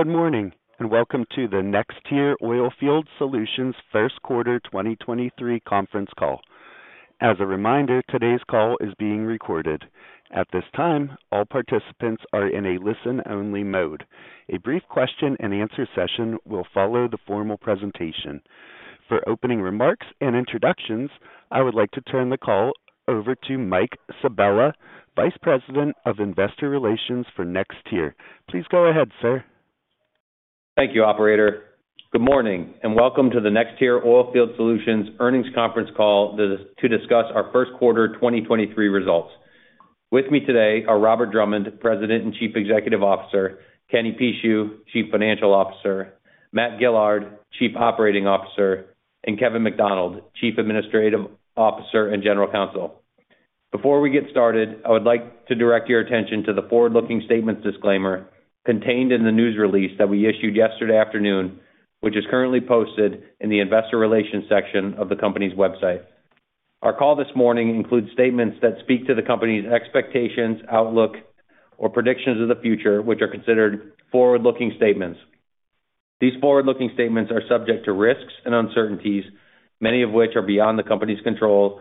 Good morning, welcome to the NexTier Oilfield Solutions First Quarter 2023 Conference Call. As a reminder, today's call is being recorded. At this time, all participants are in a listen-only mode. A brief question-and-answer session will follow the formal presentation. For opening remarks and introductions, I would like to turn the call over to Mike Sabella, Vice President of Investor Relations for NexTier. Please go ahead, sir. Thank you, operator. Good morning, and welcome to the NexTier Oilfield Solutions earnings conference call to discuss our first quarter 2023 results. With me today are Robert Drummond, President and Chief Executive Officer, Kenny Pucheu, Chief Financial Officer, Matt Gillard, Chief Operating Officer, and Kevin McDonald, Chief Administrative Officer and General Counsel. Before we get started, I would like to direct your attention to the forward-looking statements disclaimer contained in the news release that we issued yesterday afternoon, which is currently posted in the investor relations section of the company's website. Our call this morning includes statements that speak to the company's expectations, outlook, or predictions of the future, which are considered forward-looking statements. These forward-looking statements are subject to risks and uncertainties, many of which are beyond the company's control,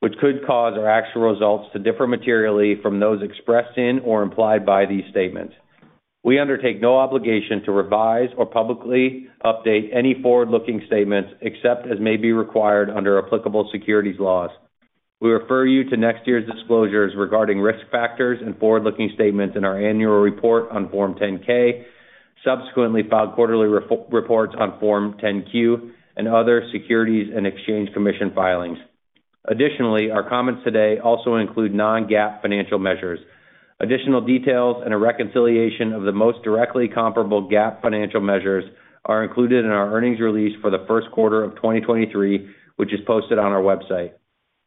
which could cause our actual results to differ materially from those expressed in or implied by these statements. We undertake no obligation to revise or publicly update any forward-looking statements except as may be required under applicable securities laws. We refer you to NexTier's disclosures regarding risk factors and forward-looking statements in our annual report on Form 10-K, subsequently filed quarterly reports on Form 10-Q, and other Securities and Exchange Commission filings. Additionally, our comments today also include non-GAAP financial measures. Additional details and a reconciliation of the most directly comparable GAAP financial measures are included in our earnings release for the first quarter of 2023, which is posted on our website.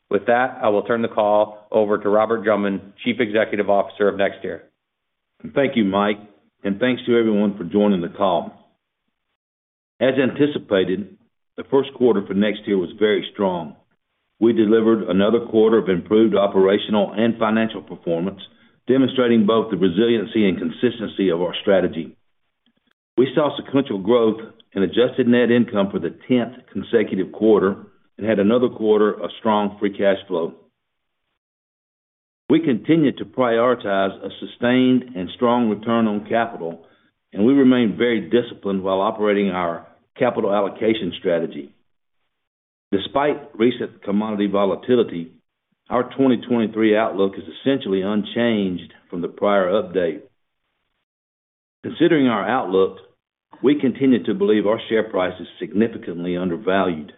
With that, I will turn the call over to Robert Drummond, Chief Executive Officer of NexTier. Thank you, Mike, and thanks to everyone for joining the call. As anticipated, the first quarter for NexTier was very strong. We delivered another quarter of improved operational and financial performance, demonstrating both the resiliency and consistency of our strategy. We saw sequential growth in adjusted net income for the 10th consecutive quarter and had another quarter of strong free cash flow. We continued to prioritize a sustained and strong return on capital, and we remain very disciplined while operating our capital allocation strategy. Despite recent commodity volatility, our 2023 outlook is essentially unchanged from the prior update. Considering our outlook, we continue to believe our share price is significantly undervalued.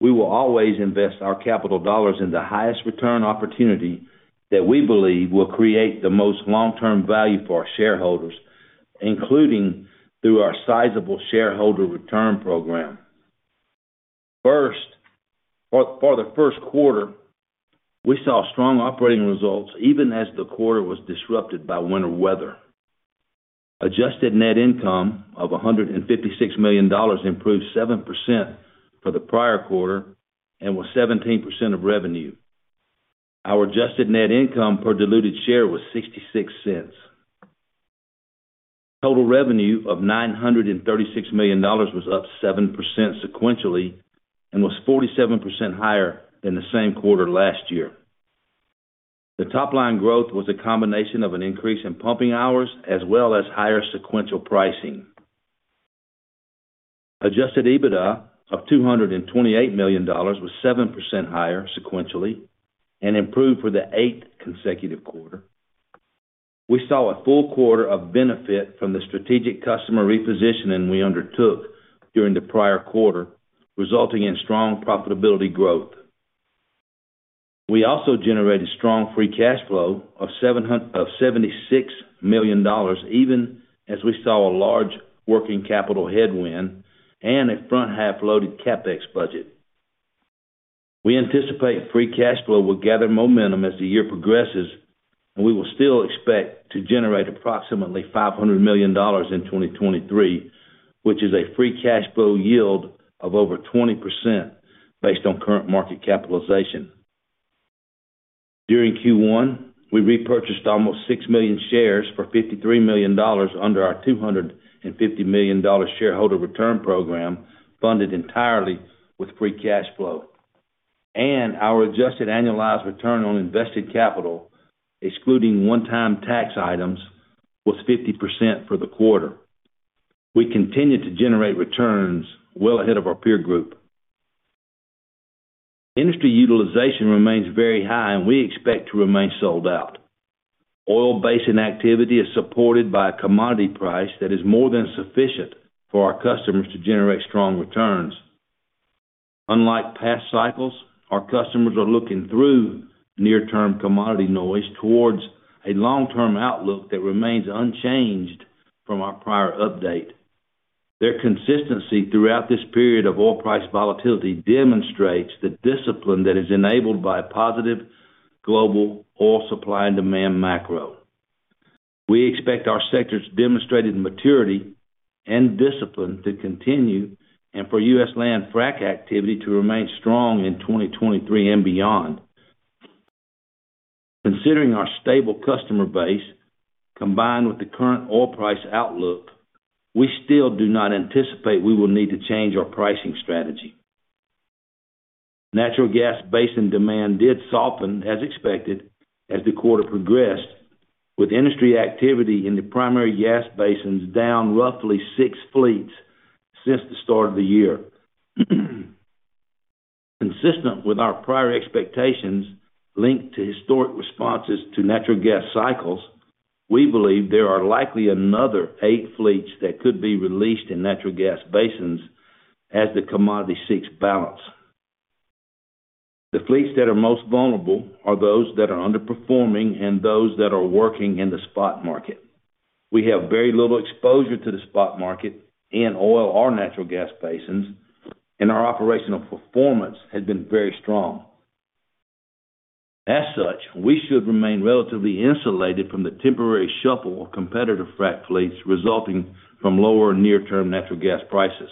We will always invest our capital dollars in the highest return opportunity that we believe will create the most long-term value for our shareholders, including through our sizable shareholder return program. For the first quarter, we saw strong operating results even as the quarter was disrupted by winter weather. Adjusted net income of $156 million improved 7% for the prior quarter and was 17% of revenue. Our adjusted net income per diluted share was $0.66. Total revenue of $936 million was up 7% sequentially and was 47% higher than the same quarter last year. The top-line growth was a combination of an increase in pumping hours as well as higher sequential pricing. Adjusted EBITDA of $228 million was 7% higher sequentially and improved for the eighth consecutive quarter. We saw a full quarter of benefit from the strategic customer repositioning we undertook during the prior quarter, resulting in strong profitability growth. We also generated strong free cash flow of $76 million, even as we saw a large working capital headwind and a front-half loaded CapEx budget. We anticipate free cash flow will gather momentum as the year progresses. We will still expect to generate approximately $500 million in 2023, which is a free cash flow yield of over 20% based on current market capitalization. During Q1, we repurchased almost 6 million shares for $53 million under our $250 million shareholder return program, funded entirely with free cash flow. Our adjusted annualized return on invested capital, excluding one-time tax items, was 50% for the quarter. We continue to generate returns well ahead of our peer group. Industry utilization remains very high, and we expect to remain sold out. Oil basin activity is supported by a commodity price that is more than sufficient for our customers to generate strong returns. Unlike past cycles, our customers are looking through near-term commodity noise towards a long-term outlook that remains unchanged from our prior update. Their consistency throughout this period of oil price volatility demonstrates the discipline that is enabled by a positive global oil supply and demand macro. We expect our sectors' demonstrated maturity and discipline to continue and for U.S. land Frac activity to remain strong in 2023 and beyond. Considering our stable customer base, combined with the current oil price outlook, we still do not anticipate we will need to change our pricing strategy. Natural gas basin demand did soften as expected as the quarter progressed, with industry activity in the primary gas basins down roughly six fleets since the start of the year. Consistent with our prior expectations linked to historic responses to natural gas cycles, we believe there are likely another eight fleets that could be released in natural gas basins as the commodity seeks balance. The fleets that are most vulnerable are those that are underperforming and those that are working in the spot market. We have very little exposure to the spot market in oil or natural gas basins, and our operational performance has been very strong. As such, we should remain relatively insulated from the temporary shuffle of competitive Frac fleets resulting from lower near-term natural gas prices.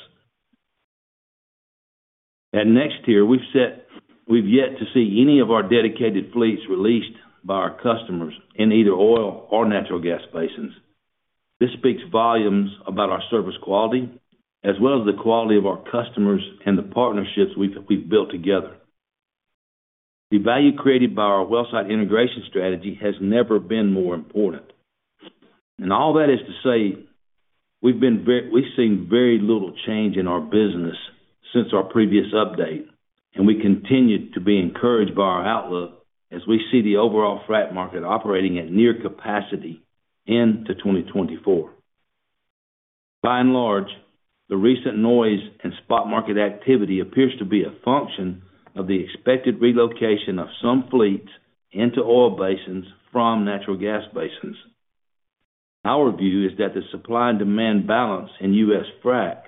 At NexTier, we've yet to see any of our dedicated fleets released by our customers in either oil or natural gas basins. This speaks volumes about our service quality as well as the quality of our customers and the partnerships we've built together. The value created by our wellsite integration strategy has never been more important. All that is to say we've seen very little change in our business since our previous update, and we continue to be encouraged by our outlook as we see the overall Frac market operating at near capacity into 2024. By and large, the recent noise and spot market activity appears to be a function of the expected relocation of some fleets into oil basins from natural gas basins. Our view is that the supply and demand balance in U.S. Frac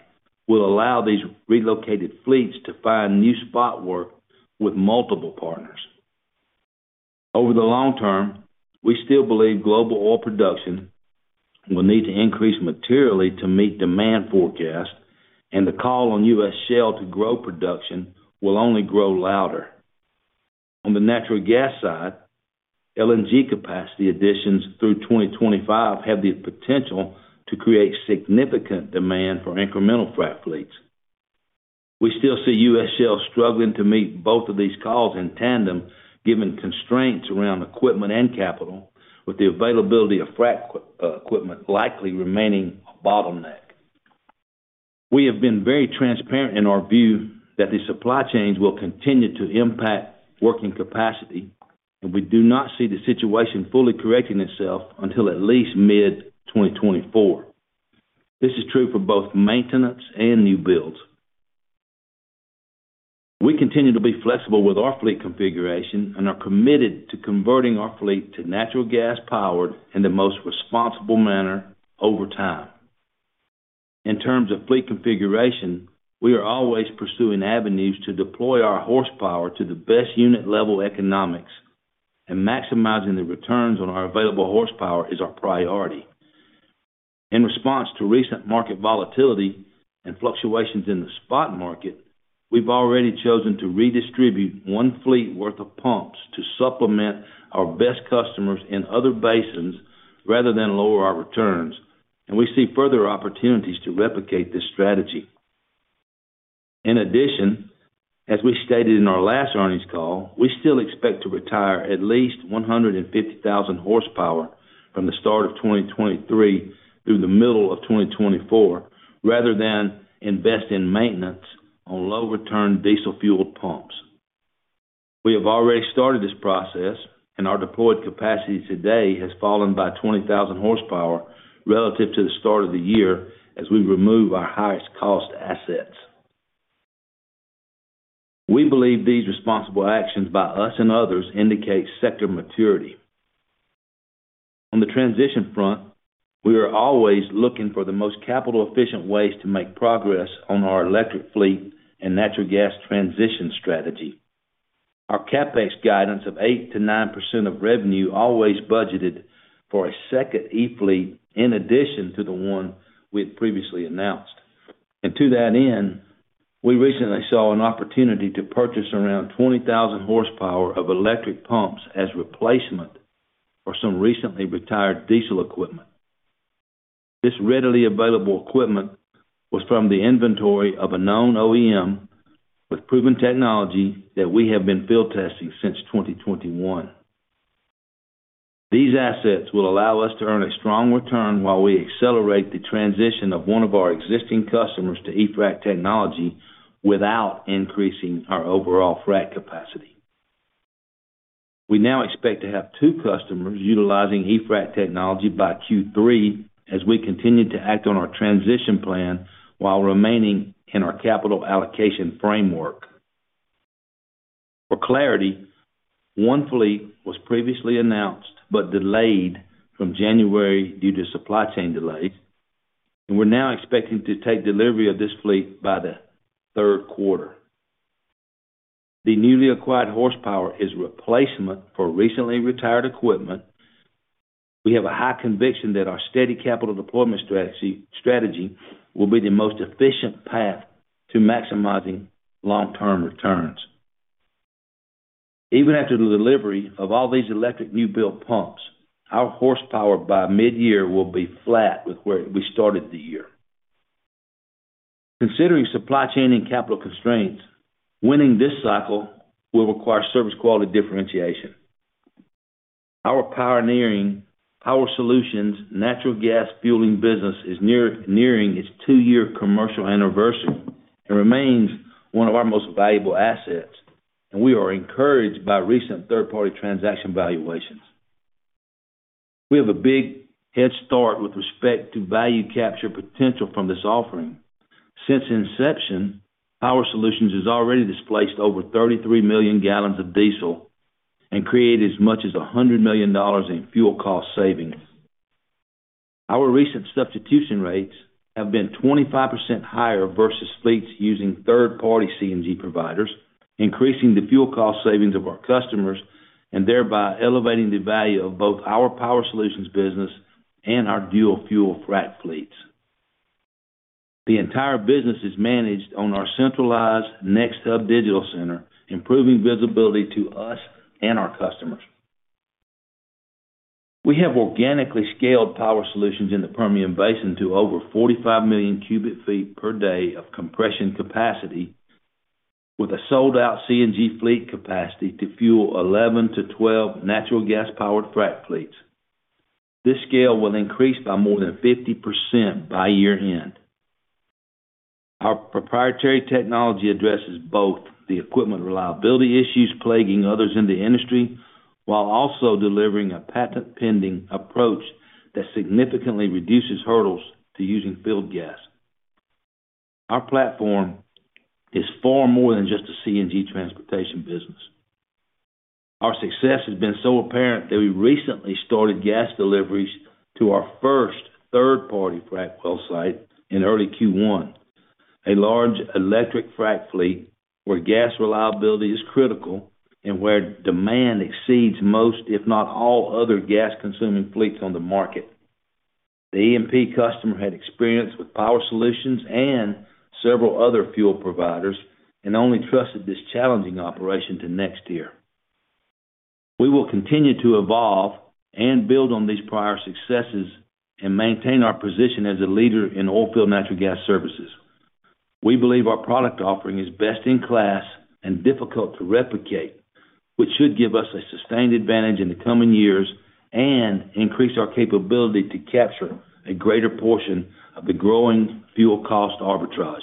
will allow these relocated fleets to find new spot work with multiple partners. Over the long term, we still believe global oil production will need to increase materially to meet demand forecast, and the call on U.S. shale to grow production will only grow louder. On the natural gas side, LNG capacity additions through 2025 have the potential to create significant demand for incremental Frac fleets. We still see U.S. shale struggling to meet both of these calls in tandem, given constraints around equipment and capital, with the availability of Frac equipment likely remaining a bottleneck. We have been very transparent in our view that the supply chains will continue to impact working capacity, and we do not see the situation fully correcting itself until at least mid 2024. This is true for both maintenance and new builds. We continue to be flexible with our fleet configuration and are committed to converting our fleet to natural gas power in the most responsible manner over time. In terms of fleet configuration, we are always pursuing avenues to deploy our horsepower to the best unit-level economics. Maximizing the returns on our available horsepower is our priority. In response to recent market volatility and fluctuations in the spot market, we've already chosen to redistribute one fleet worth of pumps to supplement our best customers in other basins rather than lower our returns. We see further opportunities to replicate this strategy. In addition, as we stated in our last earnings call, we still expect to retire at least 150,000 horsepower from the start of 2023 through the middle of 2024, rather than invest in maintenance on low-return diesel-fueled pumps. We have already started this process. Our deployed capacity today has fallen by 20,000 horsepower relative to the start of the year as we remove our highest cost assets. We believe these responsible actions by us and others indicate sector maturity. On the transition front, we are always looking for the most capital-efficient ways to make progress on our electric fleet and natural gas transition strategy. Our CapEx guidance of 8%-9% of revenue always budgeted for a second e-fleet in addition to the one we had previously announced. To that end, we recently saw an opportunity to purchase around 20,000 horsepower of electric pumps as replacement for some recently retired diesel equipment. This readily available equipment was from the inventory of a known OEM with proven technology that we have been field testing since 2021. These assets will allow us to earn a strong return while we accelerate the transition of one of our existing customers to eFrac technology without increasing our overall Frac capacity. We now expect to have two customers utilizing eFrac technology by Q3 as we continue to act on our transition plan while remaining in our capital allocation framework. For clarity, one fleet was previously announced but delayed from January due to supply chain delays, and we're now expecting to take delivery of this fleet by the third quarter. The newly acquired horsepower is replacement for recently retired equipment. We have a high conviction that our steady capital deployment strategy will be the most efficient path to maximizing long-term returns. Even after the delivery of all these electric new-build pumps, our horsepower by mid-year will be flat with where we started the year. Considering supply chain and capital constraints, winning this cycle will require service quality differentiation. Our pioneering Power Solutions natural gas fueling business is nearing its two-year commercial anniversary and remains one of our most valuable assets, and we are encouraged by recent third-party transaction valuations. We have a big head start with respect to value capture potential from this offering. Since inception, Power Solutions has already displaced over 33 million gallons of diesel and created as much as $100 million in fuel cost savings. Our recent substitution rates have been 25% higher vs fleets using third-party CNG providers, increasing the fuel cost savings of our customers and thereby elevating the value of both our Power Solutions business and our dual fuel Frac fleets. The entire business is managed on our centralized NexHub digital center, improving visibility to us and our customers. We have organically scaled Power Solutions in the Permian Basin to over 45 million cubic feet per day of compression capacity with a sold-out CNG fleet capacity to fuel 11-12 natural gas powered Frac fleets. This scale will increase by more than 50% by year-end. Our proprietary technology addresses both the equipment reliability issues plaguing others in the industry, while also delivering a patent-pending approach that significantly reduces hurdles to using field gas. Our platform is far more than just a CNG transportation business. Our success has been so apparent that we recently started gas deliveries to our 1st third-party Frac well site in early Q1, a large electric Frac fleet where gas reliability is critical and where demand exceeds most, if not all, other gas consuming fleets on the market. The E&P customer had experience with Power Solutions and several other fuel providers and only trusted this challenging operation to NexTier. We will continue to evolve and build on these prior successes and maintain our position as a leader in oilfield natural gas services. We believe our product offering is best in class and difficult to replicate, which should give us a sustained advantage in the coming years and increase our capability to capture a greater portion of the growing fuel cost arbitrage.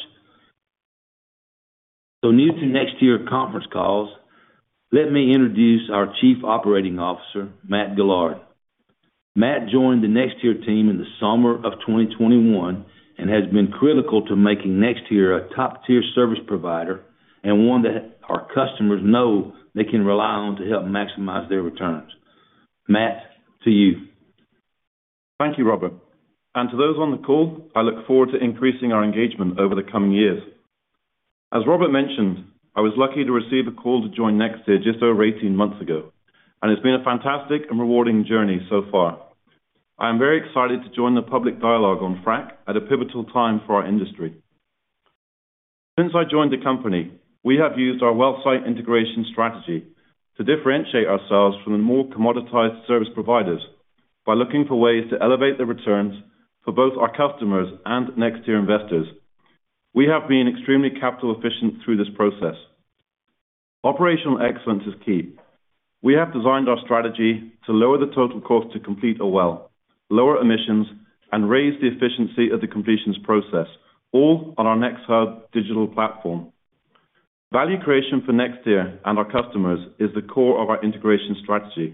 New to NexTier conference calls, let me introduce our Chief Operating Officer, Matt Gillard. Matt joined the NexTier team in the summer of 2021 and has been critical to making NexTier a top-tier service provider and one that our customers know they can rely on to help maximize their returns. Matt, to you. Thank you, Robert. To those on the call, I look forward to increasing our engagement over the coming years. As Robert mentioned, I was lucky to receive a call to join NexTier just over 18 months ago, it's been a fantastic and rewarding journey so far. I am very excited to join the public dialogue on Frac at a pivotal time for our industry. Since I joined the company, we have used our wellsite integration strategy to differentiate ourselves from the more commoditized service providers by looking for ways to elevate the returns for both our customers and NexTier investors. We have been extremely capital efficient through this process. Operational excellence is key. We have designed our strategy to lower the total cost to complete a well, lower emissions, and raise the efficiency of the completions process, all on our NexHub digital platform. Value creation for NexTier and our customers is the core of our integration strategy.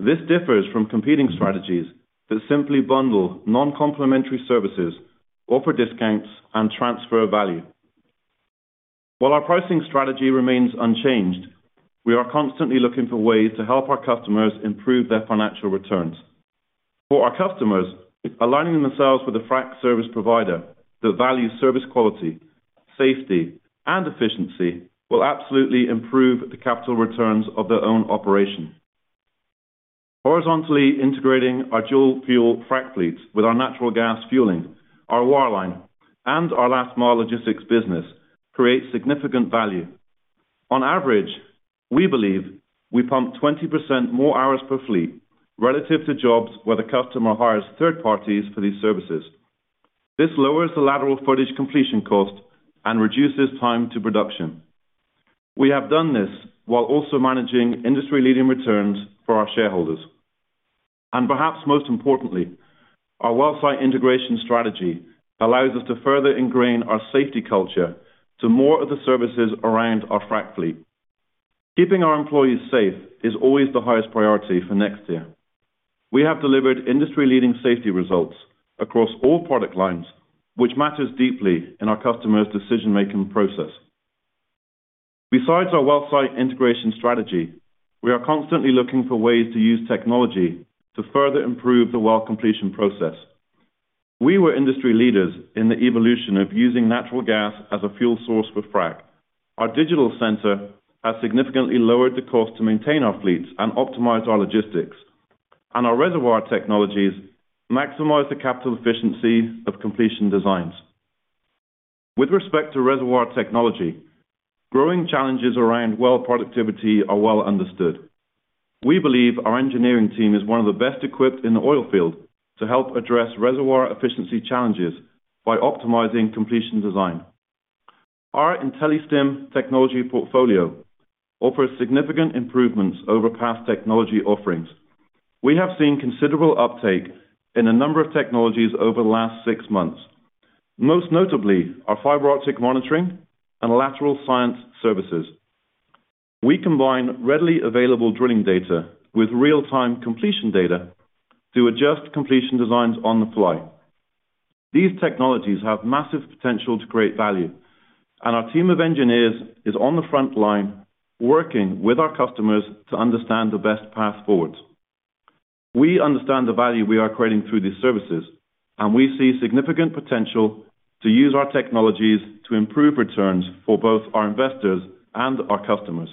This differs from competing strategies that simply bundle non-complementary services, offer discounts, and transfer value. While our pricing strategy remains unchanged, we are constantly looking for ways to help our customers improve their financial returns. For our customers, aligning themselves with a Frac service provider that values service quality, safety, and efficiency will absolutely improve the capital returns of their own operation. Horizontally integrating our dual fuel Frac fleets with our natural gas fueling, our wireline, and our last mile logistics business creates significant value. On average, we believe we pump 20% more hours per fleet relative to jobs where the customer hires third parties for these services. This lowers the lateral footage completion cost and reduces time to production. We have done this while also managing industry-leading returns for our shareholders. Perhaps most importantly, our wellsite integration strategy allows us to further ingrain our safety culture to more of the services around our Frac fleet. Keeping our employees safe is always the highest priority for NexTier. We have delivered industry-leading safety results across all product lines, which matters deeply in our customers' decision-making process. Besides our wellsite integration strategy, we are constantly looking for ways to use technology to further improve the well completion process. We were industry leaders in the evolution of using natural gas as a fuel source with Frac. Our digital center has significantly lowered the cost to maintain our fleets and optimize our logistics. Our reservoir technologies maximize the capital efficiency of completion designs. With respect to reservoir technology, growing challenges around well productivity are well understood. We believe our engineering team is one of the best equipped in the oilfield to help address reservoir efficiency challenges by optimizing completion design. Our IntelliStim technology portfolio offers significant improvements over past technology offerings. We have seen considerable uptake in a number of technologies over the last six months, most notably our fiber-optic monitoring and LateralScience services. We combine readily available drilling data with real-time completion data to adjust completion designs on the fly. These technologies have massive potential to create value, and our team of engineers is on the front line working with our customers to understand the best path forward. We understand the value we are creating through these services, and we see significant potential to use our technologies to improve returns for both our investors and our customers.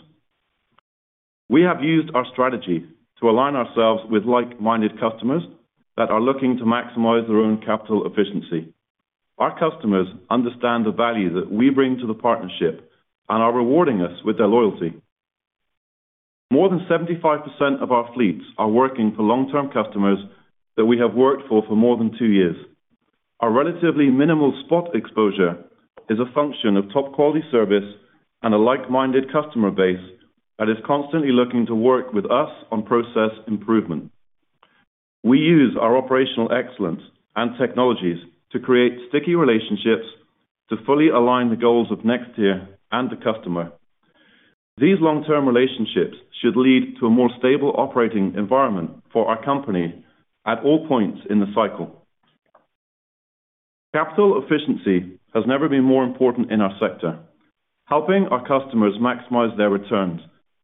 We have used our strategy to align ourselves with like-minded customers that are looking to maximize their own capital efficiency. Our customers understand the value that we bring to the partnership and are rewarding us with their loyalty. More than 75% of our fleets are working for long-term customers that we have worked for more than two years. Our relatively minimal spot exposure is a function of top quality service and a like-minded customer base that is constantly looking to work with us on process improvement. We use our operational excellence and technologies to create sticky relationships to fully align the goals of NexTier and the customer. These long-term relationships should lead to a more stable operating environment for our company at all points in the cycle. Capital efficiency has never been more important in our sector. Helping our customers maximize their returns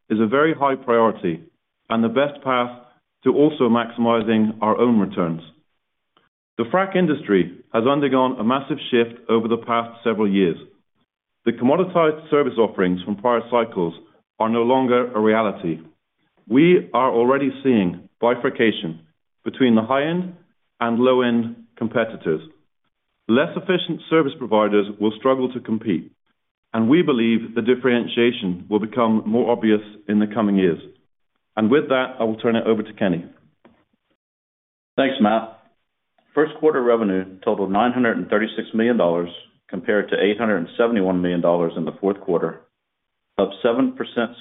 is a very high priority and the best path to also maximizing our own returns. The Frac industry has undergone a massive shift over the past several years. The commoditized service offerings from prior cycles are no longer a reality. We are already seeing bifurcation between the high-end and low-end competitors. Less efficient service providers will struggle to compete. We believe the differentiation will become more obvious in the coming years. With that, I will turn it over to Kenny. Thanks, Matt. First quarter revenue totaled $936 million compared to $871 million in the fourth quarter, up 7%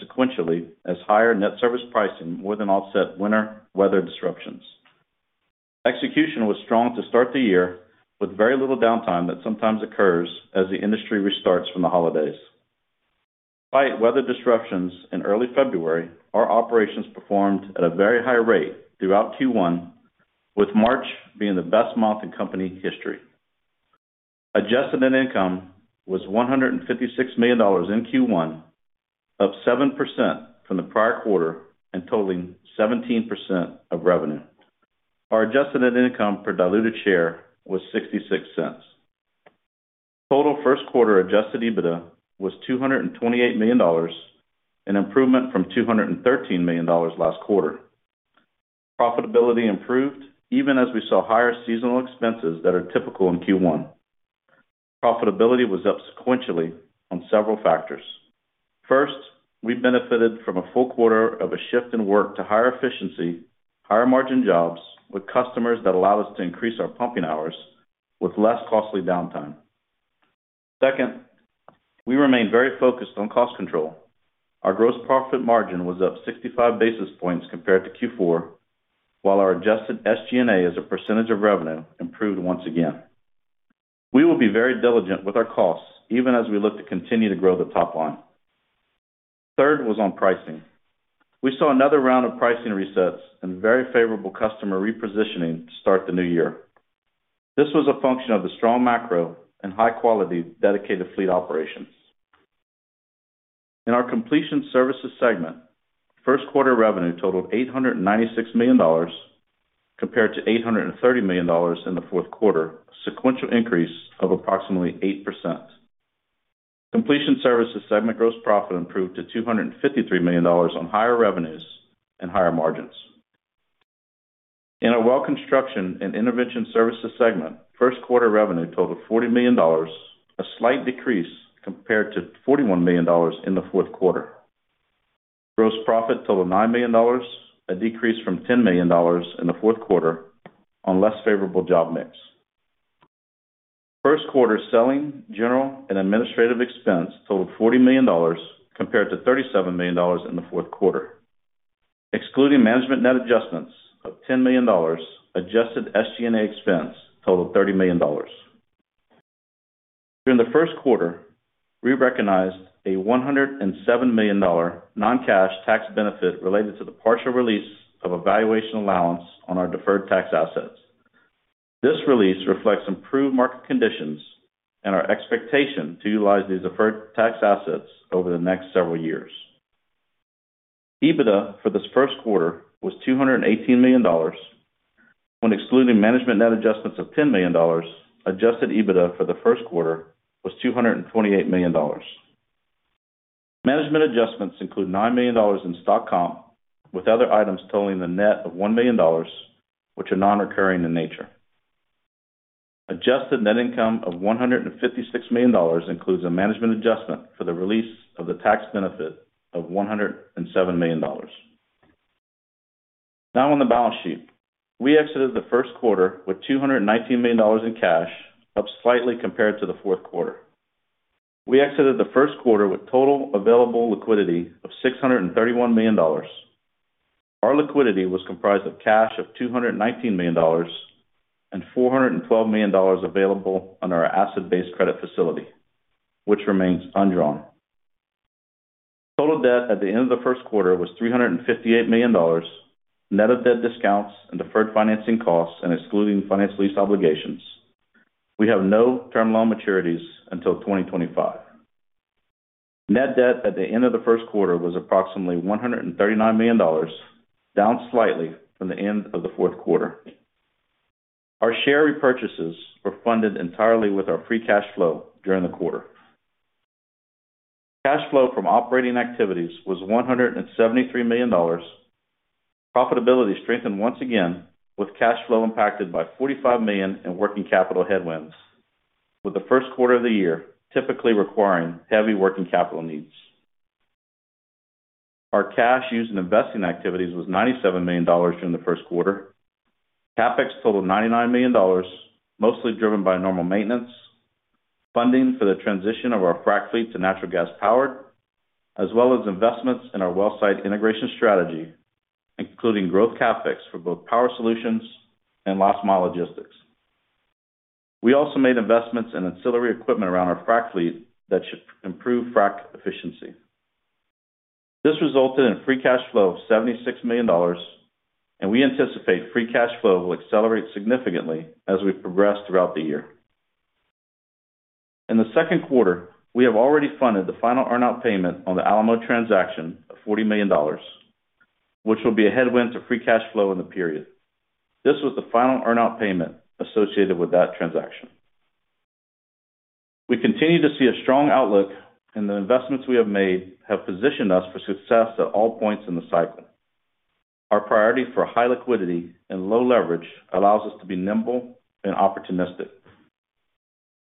sequentially as higher net service pricing more than offset winter weather disruptions. Execution was strong to start the year with very little downtime that sometimes occurs as the industry restarts from the holidays. Despite weather disruptions in early February, our operations performed at a very high rate throughout Q1, with March being the best month in company history. Adjusted net income was $156 million in Q1, up 7% from the prior quarter and totaling 17% of revenue. Our adjusted net income per diluted share was $0.66. Total first quarter adjusted EBITDA was $228 million, an improvement from $213 million last quarter. Profitability improved even as we saw higher seasonal expenses that are typical in Q1. Profitability was up sequentially on several factors. First, we benefited from a full quarter of a shift in work to higher efficiency, higher margin jobs with customers that allow us to increase our pumping hours with less costly downtime. Second, we remain very focused on cost control. Our gross profit margin was up 65 basis points compared to Q4, while our adjusted SG&A as a % of revenue improved once again. We will be very diligent with our costs even as we look to continue to grow the top line. Third was on pricing. We saw another round of pricing resets and very favorable customer repositioning to start the new year. This was a function of the strong macro and high quality dedicated fleet operations. In our completion services segment, first quarter revenue totaled $896 million compared to $830 million in the fourth quarter, a sequential increase of approximately 8%. Completion services segment gross profit improved to $253 million on higher revenues and higher margins. In our well construction and intervention services segment, first quarter revenue totaled $40 million, a slight decrease compared to $41 million in the fourth quarter. Gross profit totaled $9 million, a decrease from $10 million in the fourth quarter on less favorable job mix. First quarter selling, general, and administrative expense totaled $40 million compared to $37 million in the fourth quarter. Excluding management net adjustments of $10 million, adjusted SG&A expense totaled $30 million. During the first quarter, we recognized a $107 million non-cash tax benefit related to the partial release of a valuation allowance on our deferred tax assets. This release reflects improved market conditions and our expectation to utilize these deferred tax assets over the next several years. EBITDA for this first quarter was $218 million. When excluding management net adjustments of $10 million, adjusted EBITDA for the first quarter was $228 million. Management adjustments include $9 million in stock comp, with other items totaling the net of $1 million, which are non-recurring in nature. Adjusted net income of $156 million includes a management adjustment for the release of the tax benefit of $107 million. Now on the balance sheet. We exited the first quarter with $219 million in cash, up slightly compared to the fourth quarter. We exited the first quarter with total available liquidity of $631 million. Our liquidity was comprised of cash of $219 million and $412 million available on our asset-based credit facility, which remains undrawn. Total debt at the end of the first quarter was $358 million, net of debt discounts and deferred financing costs and excluding finance lease obligations. We have no term loan maturities until 2025. Net debt at the end of the first quarter was approximately $139 million, down slightly from the end of the fourth quarter. Our share repurchases were funded entirely with our free cash flow during the quarter. Cash flow from operating activities was $173 million. Profitability strengthened once again, with cash flow impacted by $45 million in working capital headwinds, with the first quarter of the year typically requiring heavy working capital needs. Our cash used in investing activities was $97 million during the first quarter. CapEx totaled $99 million, mostly driven by normal maintenance, funding for the transition of our Frac fleet to natural gas-powered, as well as investments in our wellsite integration strategy, including growth CapEx for both Power Solutions and Last Mile logistics. We also made investments in ancillary equipment around our Frac fleet that should improve Frac efficiency. This resulted in free cash flow of $76 million, we anticipate free cash flow will accelerate significantly as we progress throughout the year. In the second quarter, we have already funded the final earn out payment on the Alamo transaction of $40 million, which will be a headwind to free cash flow in the period. This was the final earn out payment associated with that transaction. We continue to see a strong outlook. The investments we have made have positioned us for success at all points in the cycle. Our priority for high liquidity and low leverage allows us to be nimble and opportunistic.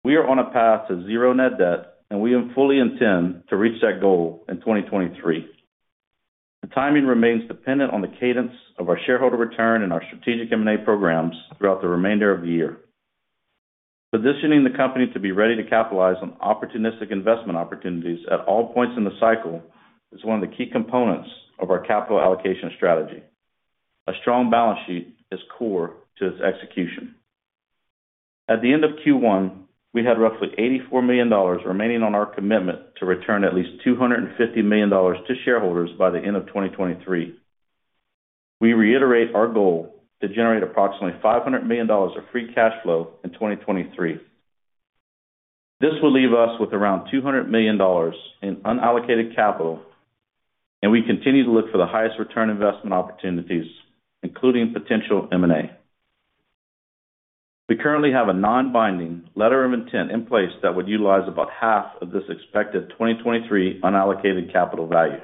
We are on a path to zero net debt. We fully intend to reach that goal in 2023. The timing remains dependent on the cadence of our shareholder return and our strategic M&A programs throughout the remainder of the year. Positioning the company to be ready to capitalize on opportunistic investment opportunities at all points in the cycle is one of the key components of our capital allocation strategy. A strong balance sheet is core to its execution. At the end of Q1, we had roughly $84 million remaining on our commitment to return at least $250 million to shareholders by the end of 2023. We reiterate our goal to generate approximately $500 million of free cash flow in 2023. This will leave us with around $200 million in unallocated capital. We continue to look for the highest return investment opportunities, including potential M&A. We currently have a non-binding letter of intent in place that would utilize about half of this expected 2023 unallocated capital value.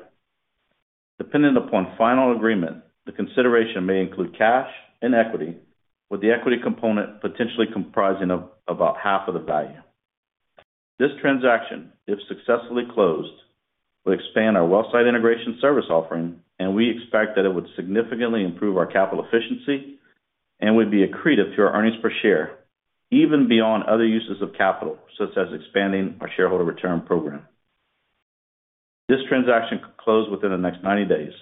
Depending upon final agreement, the consideration may include cash and equity, with the equity component potentially comprising of about half of the value. This transaction, if successfully closed, would expand our wellsite integration service offering. We expect that it would significantly improve our capital efficiency and would be accretive to our earnings per share, even beyond other uses of capital such as expanding our shareholder return program. This transaction could close within the next 90 days.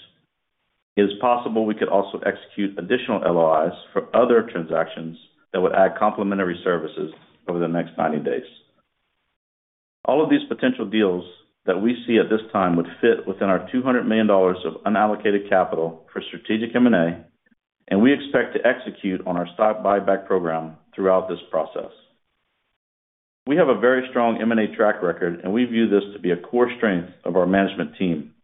It is possible we could also execute additional LOIs for other transactions that would add complementary services over the next 90 days. All of these potential deals that we see at this time would fit within our $200 million of unallocated capital for strategic M&A. We expect to execute on our stock buyback program throughout this process. We have a very strong M&A track record, and we view this to be a core strength of our management team.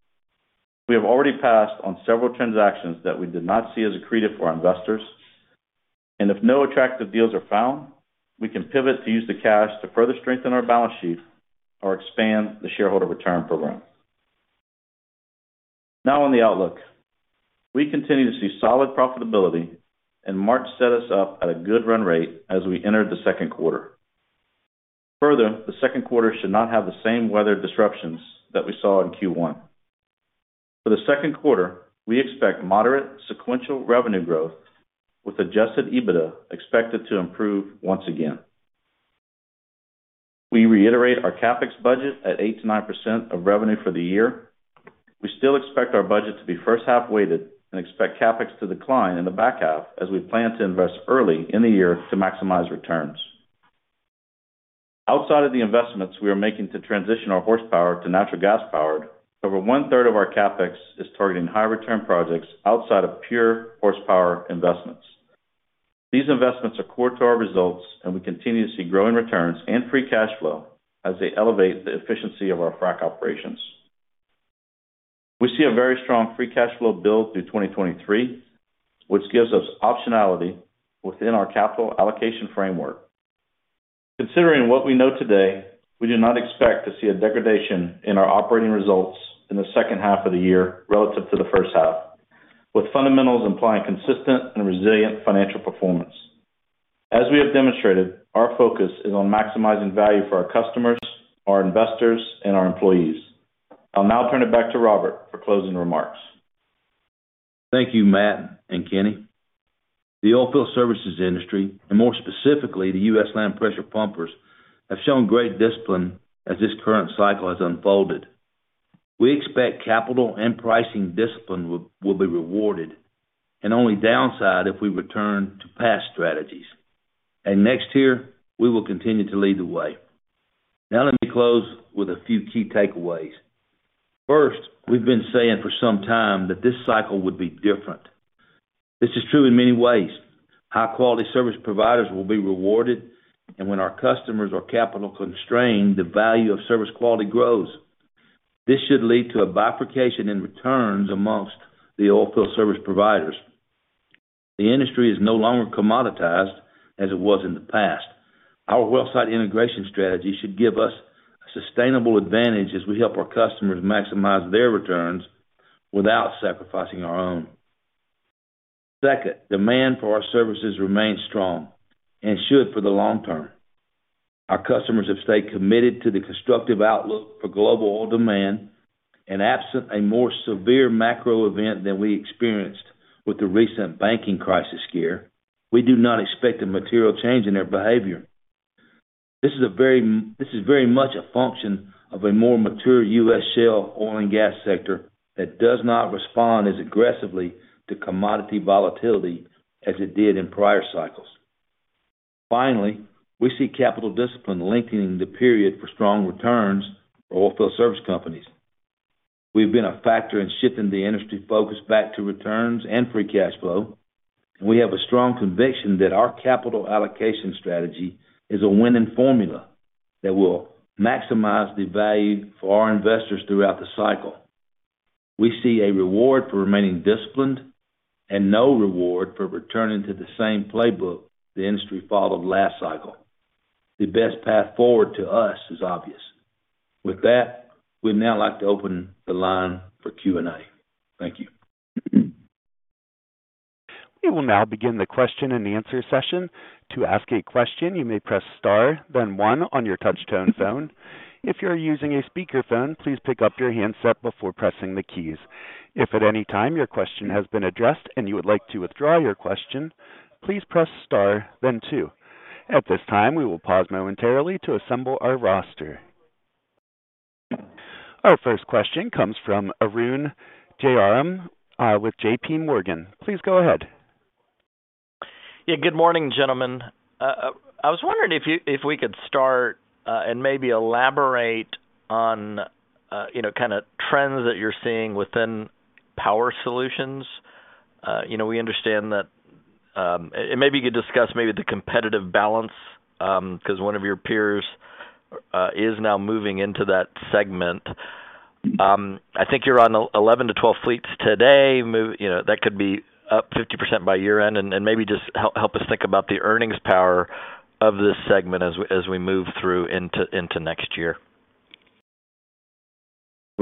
We have already passed on several transactions that we did not see as accretive for our investors. If no attractive deals are found, we can pivot to use the cash to further strengthen our balance sheet or expand the shareholder return program. Now on the outlook. We continue to see solid profitability, and March set us up at a good run rate as we entered the second quarter. Further, the second quarter should not have the same weather disruptions that we saw in Q1. For the second quarter, we expect moderate sequential revenue growth with adjusted EBITDA expected to improve once again. We reiterate our CapEx budget at 8%-9% of revenue for the year. We still expect our budget to be first half-weighted and expect CapEx to decline in the back half as we plan to invest early in the year to maximize returns. Outside of the investments we are making to transition our horsepower to natural gas-powered, over one-third of our CapEx is targeting high return projects outside of pure horsepower investments. These investments are core to our results, and we continue to see growing returns and free cash flow as they elevate the efficiency of our Frac operations. We see a very strong free cash flow build through 2023, which gives us optionality within our capital allocation framework. Considering what we know today, we do not expect to see a degradation in our operating results in the second half of the year relative to the first half, with fundamentals implying consistent and resilient financial performance. As we have demonstrated, our focus is on maximizing value for our customers, our investors, and our employees. I'll now turn it back to Robert for closing remarks. Thank you, Matt and Kenny. The oilfield services industry, and more specifically, the U.S. land pressure pumpers, have shown great discipline as this current cycle has unfolded. We expect capital and pricing discipline will be rewarded and only downside if we return to past strategies. NexTier, we will continue to lead the way. Now let me close with a few key takeaways. First, we've been saying for some time that this cycle would be different. This is true in many ways. High-quality service providers will be rewarded, and when our customers are capital constrained, the value of service quality grows. This should lead to a bifurcation in returns amongst the oilfield service providers. The industry is no longer commoditized as it was in the past. Our wellsite integration strategy should give us a sustainable advantage as we help our customers maximize their returns without sacrificing our own. Second, demand for our services remains strong and should for the long term. Our customers have stayed committed to the constructive outlook for global oil demand. Absent a more severe macro event than we experienced with the recent banking crisis scare, we do not expect a material change in their behavior. This is very much a function of a more mature U.S. shale oil and gas sector that does not respond as aggressively to commodity volatility as it did in prior cycles. Finally, we see capital discipline lengthening the period for strong returns for oilfield service companies. We've been a factor in shifting the industry focus back to returns and free cash flow. We have a strong conviction that our capital allocation strategy is a winning formula that will maximize the value for our investors throughout the cycle. We see a reward for remaining disciplined and no reward for returning to the same playbook the industry followed last cycle. The best path forward to us is obvious. With that, we'd now like to open the line for Q&A. Thank you. We will now begin the question and answer session. To ask a question, you may press star, then one on your touchtone phone. If you're using a speaker phone, please pick up your handset before pressing the keys. If at any time your question has been addressed and you would like to withdraw your question, please press star then two. At this time, we will pause momentarily to assemble our roster. Our first question comes from Arun Jayaram with JPMorgan. Please go ahead. Yeah. Good morning, gentlemen. I was wondering if we could start and maybe elaborate on, you know, kind of trends that you're seeing within Power Solutions. You know, we understand that. Maybe you could discuss maybe the competitive balance, 'cause one of your peers is now moving into that segment. I think you're on 11-12 fleets today. You know, that could be up 50% by year-end. Maybe just help us think about the earnings power of this segment as we move through into next year.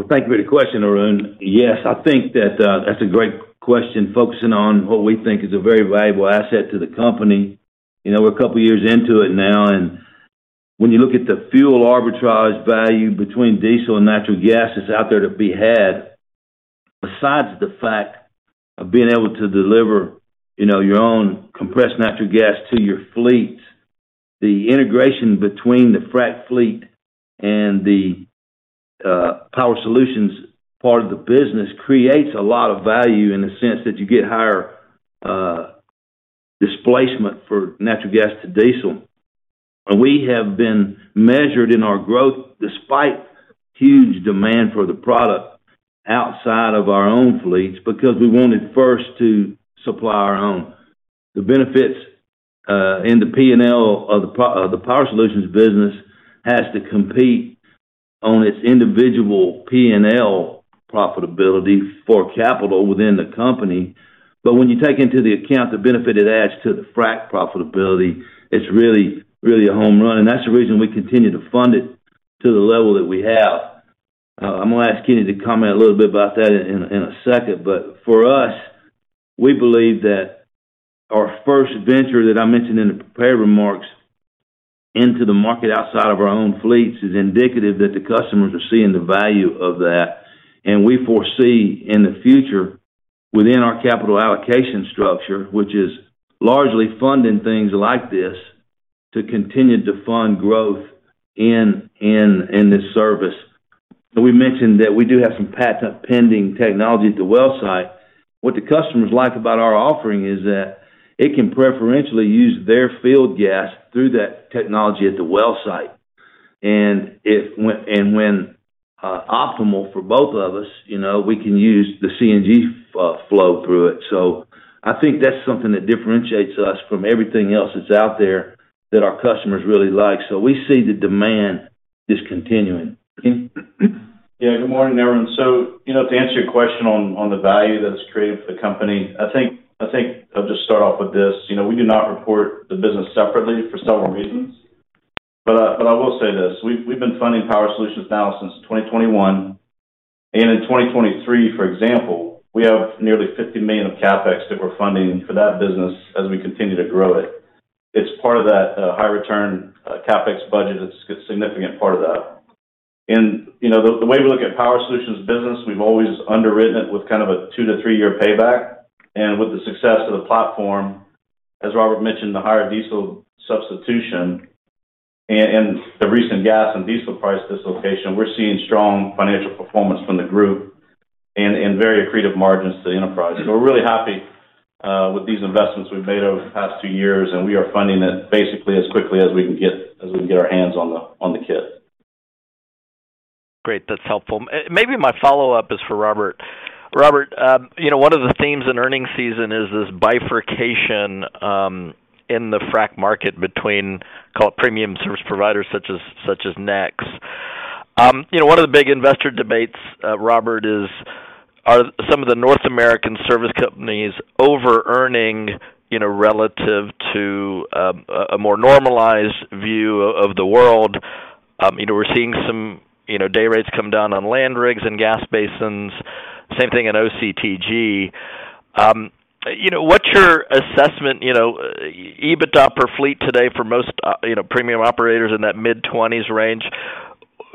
Thank you for the question, Arun. Yes, I think that's a great question, focusing on what we think is a very valuable asset to the company. You know, we're a couple of years into it now, when you look at the fuel arbitrage value between diesel and natural gas that's out there to be had, besides the fact of being able to deliver, you know, your own compressed natural gas to your fleet, the integration between the Frac fleet and the Power Solutions part of the business creates a lot of value in the sense that you get higher displacement for natural gas to diesel. We have been measured in our growth despite huge demand for the product outside of our own fleets because we wanted first to supply our own. The benefits in the P&L of the Power Solutions business has to compete on its individual P&L profitability for capital within the company. When you take into the account the benefit it adds to the Frac profitability, it's really, really a home run, and that's the reason we continue to fund it to the level that we have. I'm gonna ask Kenny to comment a little bit about that in a second. For us, we believe that our first venture that I mentioned in the prepared remarks into the market outside of our own fleets is indicative that the customers are seeing the value of that. We foresee in the future within our capital allocation structure, which is largely funding things like this, to continue to fund growth in this service. We mentioned that we do have some patent pending technology at the well site. What the customers like about our offering is that it can preferentially use their field gas through that technology at the well site. When optimal for both of us, you know, we can use the CNG, flow through it. I think that's something that differentiates us from everything else that's out there that our customers really like. We see the demand is continuing. Yeah. Good morning, everyone. You know, to answer your question on the value that's created for the company, I think I'll just start off with this. You know, we do not report the business separately for several reasons, but I will say this, we've been funding Power Solutions now since 2021, and in 2023, for example, we have nearly $50 million of CapEx that we're funding for that business as we continue to grow it. It's part of that high return CapEx budget. It's a significant part of that. You know, the way we look at Power Solutions business, we've always underwritten it with kind of a 2-3 year payback. With the success of the platform, as Robert mentioned, the higher diesel substitution and the recent gas and diesel price dislocation, we're seeing strong financial performance from the group and very accretive margins to the enterprise. We're really happy with these investments we've made over the past two years, and we are funding it basically as quickly as we can get our hands on the kit. Great. That's helpful. Maybe my follow-up is for Robert. Robert, you know, one of the themes in earnings season is this bifurcation in the Frac market between call it premium service providers such as NEX. You know, one of the big investor debates, Robert, is are some of the North American service companies overearning, you know, relative to a more normalized view of the world? You know, we're seeing some, you know, day rates come down on land rigs and gas basins. Same thing in OCTG. You know, what's your assessment, you know, EBITDA per fleet today for most, you know, premium operators in that mid-20s range?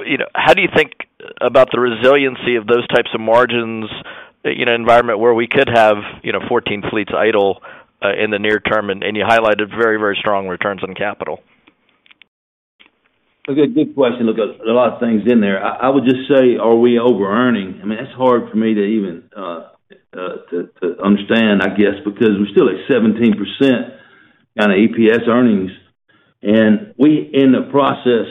You know, how do you think about the resiliency of those types of margins in an environment where we could have, you know, 14 fleets idle in the near term? You highlighted very, very strong returns on capital. Okay. Good question. Look, a lot of things in there. I would just say, are we overearning? I mean, that's hard for me to even to understand, I guess, because we're still at 17% on EPS earnings. We in the process,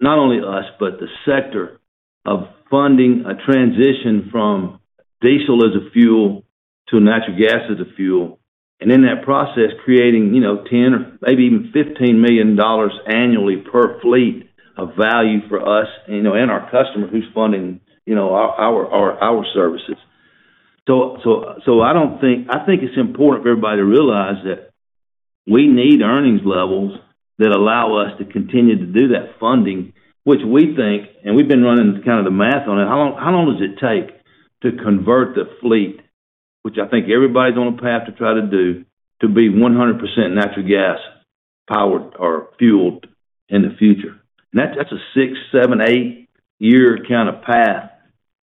not only us, but the sector of funding a transition from diesel as a fuel to natural gas as a fuel, and in that process, creating, you know, $10 million or maybe even $15 million annually per fleet of value for us, you know, and our customer who's funding, you know, our services. I don't think... I think it's important for everybody to realize that we need earnings levels that allow us to continue to do that funding, which we think and we've been running kind of the math on it. How long does it take to convert the fleet, which I think everybody's on a path to try to do, to be 100% natural gas powered or fueled in the future? That's a six, seven, eight year kind of path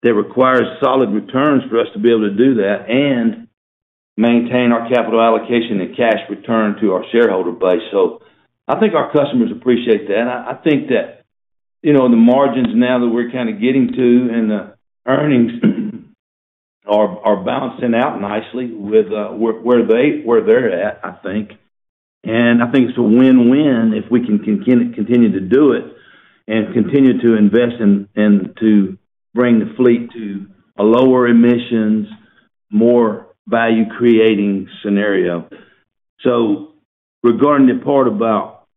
that requires solid returns for us to be able to do that and maintain our capital allocation and cash return to our shareholder base. I think our customers appreciate that. I think that, you know, the margins now that we're kind of getting to and the earnings are balancing out nicely with where they're at, I think. I think it's a win-win if we can continue to do it and continue to invest and to bring the fleet to a lower emissions, more value creating scenario. Regarding the part about,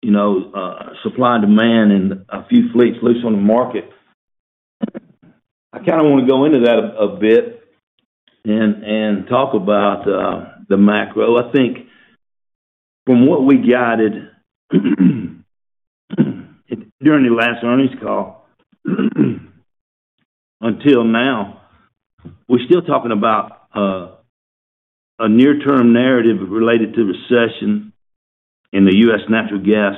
you know, supply and demand and a few fleets loose on the market, I kinda wanna go into that a bit and talk about the macro. I think from what we guided during the last earnings call until now, we're still talking about a near-term narrative related to recession in the U.S. natural gas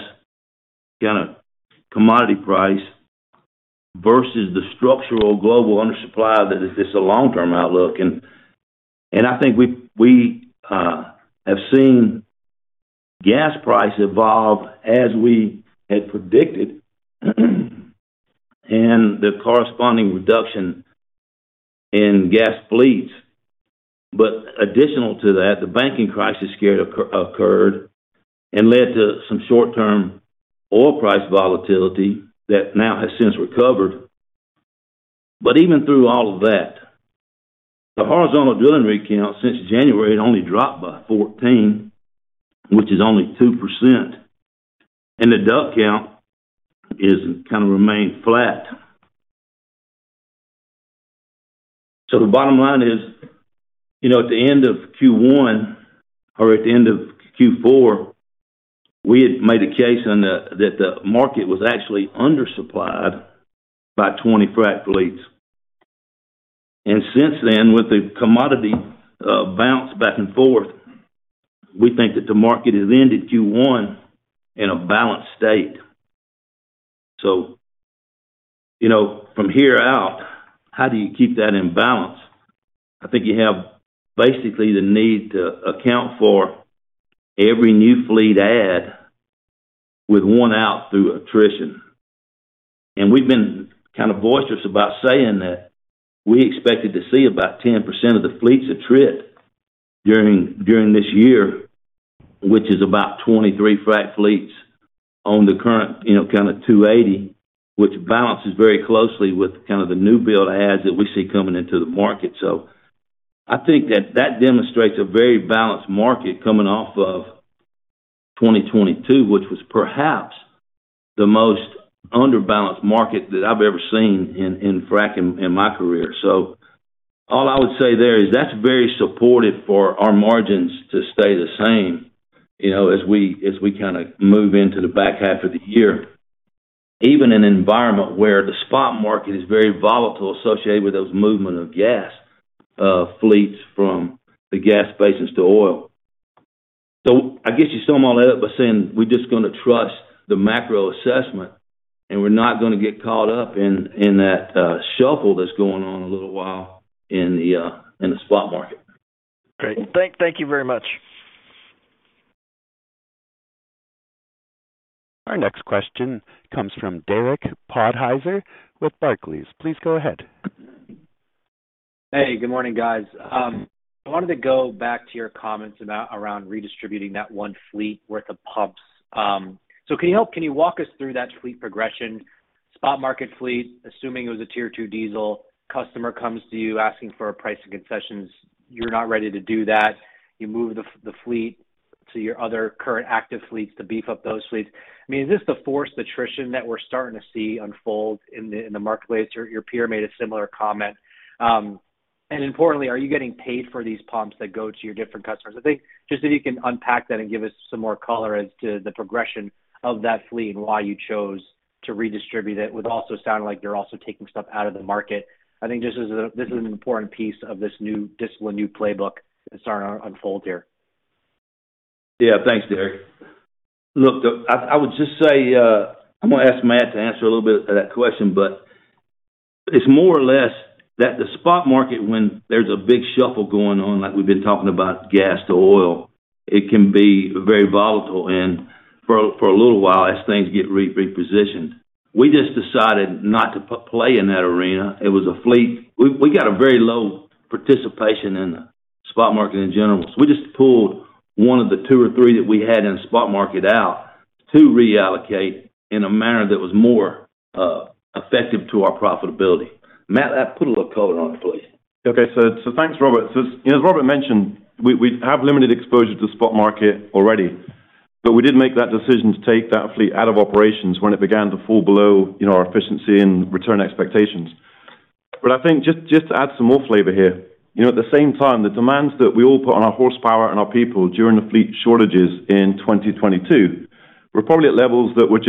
kinda commodity price vs the structural global undersupply that is just a long-term outlook. I think we have seen gas price evolve as we had predicted and the corresponding reduction in gas fleets. Additional to that, the banking crisis scare occurred and led to some short-term oil price volatility that now has since recovered. Even through all of that, the horizontal drilling rig count since January, it only dropped by 14, which is only 2%, and the DUC count is kind of remained flat. The bottom line is, you know, at the end of Q1 or at the end of Q4, we had made a case that the market was actually undersupplied by 20 Frac fleets. Since then, with the commodity bounce back and forth, we think that the market has ended Q1 in a balanced state. You know, from here out, how do you keep that in balance? I think you have basically the need to account for every new fleet add with one out through attrition. We've been kind of boisterous about saying that we expected to see about 10% of the fleets attrit during this year, which is about 23 Frac fleets on the current, you know, kind of 280, which balances very closely with kind of the new build adds that we see coming into the market. I think that that demonstrates a very balanced market coming off of 2022, which was perhaps the most under-balanced market that I've ever seen in Frac in my career. All I would say there is that's very supportive for our margins to stay the same, you know, as we, as we kinda move into the back half of the year. Even in an environment where the spot market is very volatile associated with those movement of gas, fleets from the gas basins to oil. I guess you sum all that up by saying we're just gonna trust the macro assessment, and we're not gonna get caught up in that shuffle that's going on a little while in the spot market. Great. Thank you very much. Our next question comes from Derek Podhaizer with Barclays. Please go ahead. Hey, good morning, guys. I wanted to go back to your comments around redistributing that one fleet worth of pumps. Can you walk us through that fleet progression? Spot market fleet, assuming it was a Tier II diesel, customer comes to you asking for pricing concessions. You're not ready to do that. You move the fleet to your other current active fleets to beef up those fleets. I mean, is this the forced attrition that we're starting to see unfold in the marketplace? Your peer made a similar comment. Importantly, are you getting paid for these pumps that go to your different customers? I think just if you can unpack that and give us some more color as to the progression of that fleet and why you chose to redistribute it. It would also sound like you're also taking stuff out of the market. I think this is an important piece of this new discipline, new playbook that's starting to unfold here. Yeah. Thanks, Derek. Look, I would just say, I'm gonna ask Matt to answer a little bit of that question, but it's more or less that the spot market when there's a big shuffle going on, like we've been talking about gas to oil, it can be very volatile and for a little while as things get re-repositioned. We just decided not to play in that arena. It was a fleet. We got a very low participation in the spot market in general. We just pulled one of the two or three that we had in spot market out to reallocate in a manner that was more effective to our profitability. Matt, put a little color on it, please. Okay. thanks, Robert. As, you know, as Robert mentioned, we have limited exposure to spot market already, but we did make that decision to take that fleet out of operations when it began to fall below, you know, our efficiency and return expectations. I think to add some more flavor here, you know, at the same time, the demands that we all put on our horsepower and our people during the fleet shortages in 2022 were probably at levels that were,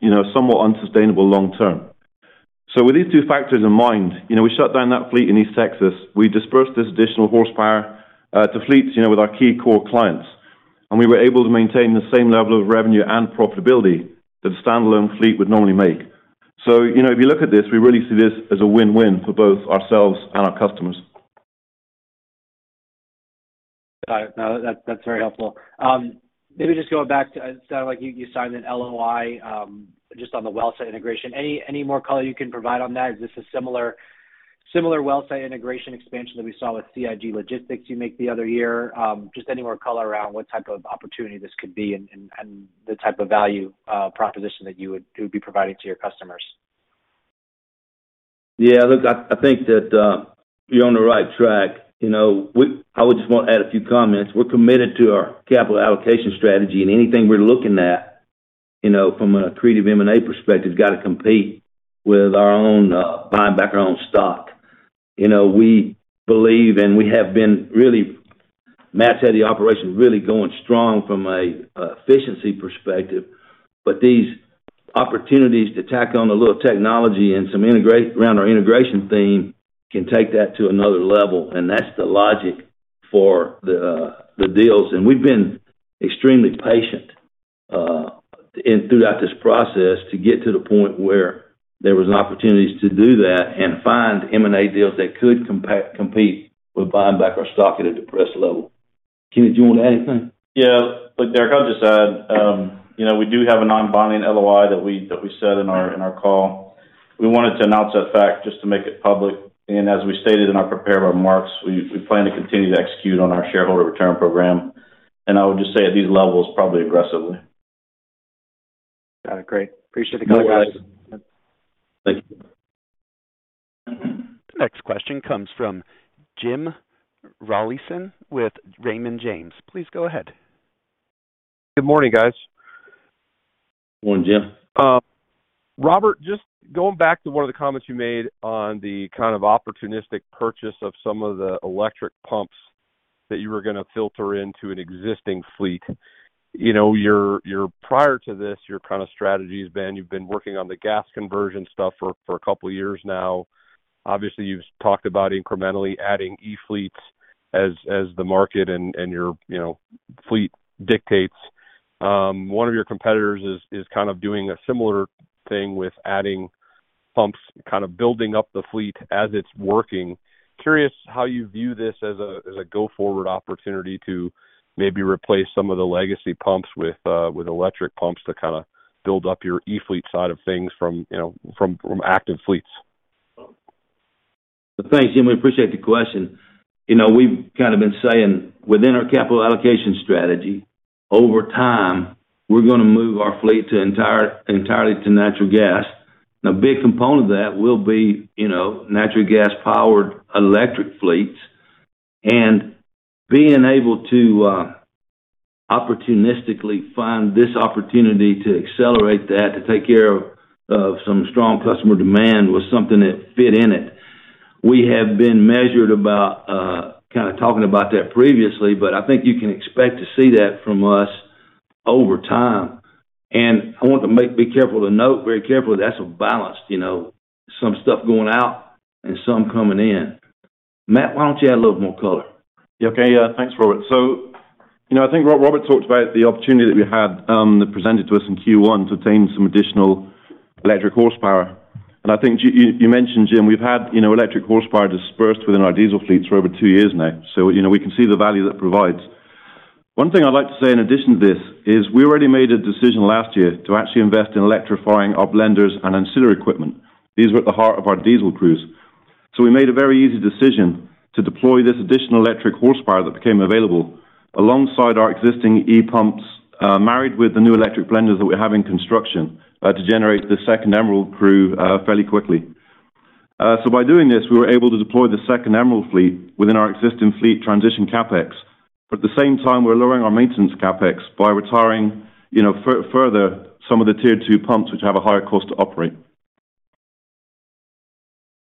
you know, somewhat unsustainable long term. With these two factors in mind, you know, we shut down that fleet in East Texas. We dispersed this additional horsepower to fleets, you know, with our key core clients, and we were able to maintain the same level of revenue and profitability that a standalone fleet would normally make. you know, if you look at this, we really see this as a win-win for both ourselves and our customers. Got it. No. That's very helpful. Maybe just it sounded like you signed an LOI just on the wellsite integration. Any more color you can provide on that? Is this a similar wellsite integration expansion that we saw with CIG Logistics you make the other year? Just any more color around what type of opportunity this could be and the type of value proposition that you would be providing to your customers. Yeah. Look, I think that you're on the right track. You know, I would just want to add a few comments. We're committed to our capital allocation strategy. Anything we're looking at, you know, from an accretive M&A perspective, got to compete with our own buying back our own stock. You know, we believe we have been really. Matt's had the operation really going strong from an efficiency perspective. These opportunities to tack on a little technology and some around our integration theme can take that to another level. That's the logic for the deals. We've been extremely patient throughout this process to get to the point where there was an opportunities to do that to find M&A deals that could compete with buying back our stock at a depressed level. Kenny, do you want to add anything? Yeah. Look, Derek, I'll just add, you know, we do have a non-binding LOI that we said in our, in our call. We wanted to announce that fact just to make it public. As we stated in our prepared remarks, we plan to continue to execute on our shareholder return program. I would just say at these levels, probably aggressively. Got it. Great. Appreciate the color, guys. Thank you. Next question comes from Jim Rollyson with Raymond James. Please go ahead. Good morning, guys. Morning, Jim. Robert, just going back to one of the comments you made on the kind of opportunistic purchase of some of the electric pumps that you were going to filter into an existing fleet. You know, prior to this, your kind of strategy has been you've been working on the gas conversion stuff for a couple of years now. Obviously, you've talked about incrementally adding e-fleets as the market and your, you know, fleet dictates. One of your competitors is kind of doing a similar thing with adding pumps, kind of building up the fleet as it's working. Curious how you view this as a go-forward opportunity to maybe replace some of the legacy pumps with electric pumps to kind of build up your e-fleet side of things from, you know, active fleets? Thanks, Jim. We appreciate the question. You know, we've kind of been saying within our capital allocation strategy, over time, we're gonna move our fleet entirely to natural gas. A big component of that will be, you know, natural gas powered electric fleets. Being able to opportunistically find this opportunity to accelerate that, to take care of some strong customer demand was something that fit in it. We have been measured about kind of talking about that previously, but I think you can expect to see that from us over time. I want to be careful to note very carefully, that's a balance, you know. Some stuff going out and some coming in. Matt, why don't you add a little more color? Yeah, okay. Thanks, Robert. You know, I think what Robert talked about the opportunity that we had that presented to us in Q1 to obtain some additional electric horsepower. I think you mentioned, Jim, we've had, you know, electric horsepower dispersed within our diesel fleets for over two years now. You know, we can see the value that provides. One thing I'd like to say in addition to this is we already made a decision last year to actually invest in electrifying our blenders and ancillary equipment. These were at the heart of our diesel crews. We made a very easy decision to deploy this additional electric horsepower that became available alongside our existing ePumps, married with the new electric blenders that we have in construction, to generate the second Emerald™ crew fairly quickly. By doing this, we were able to deploy the second Emerald fleet within our existing fleet transition CapEx. At the same time, we're lowering our maintenance CapEx by retiring, you know, further some of the Tier II pumps which have a higher cost to operate.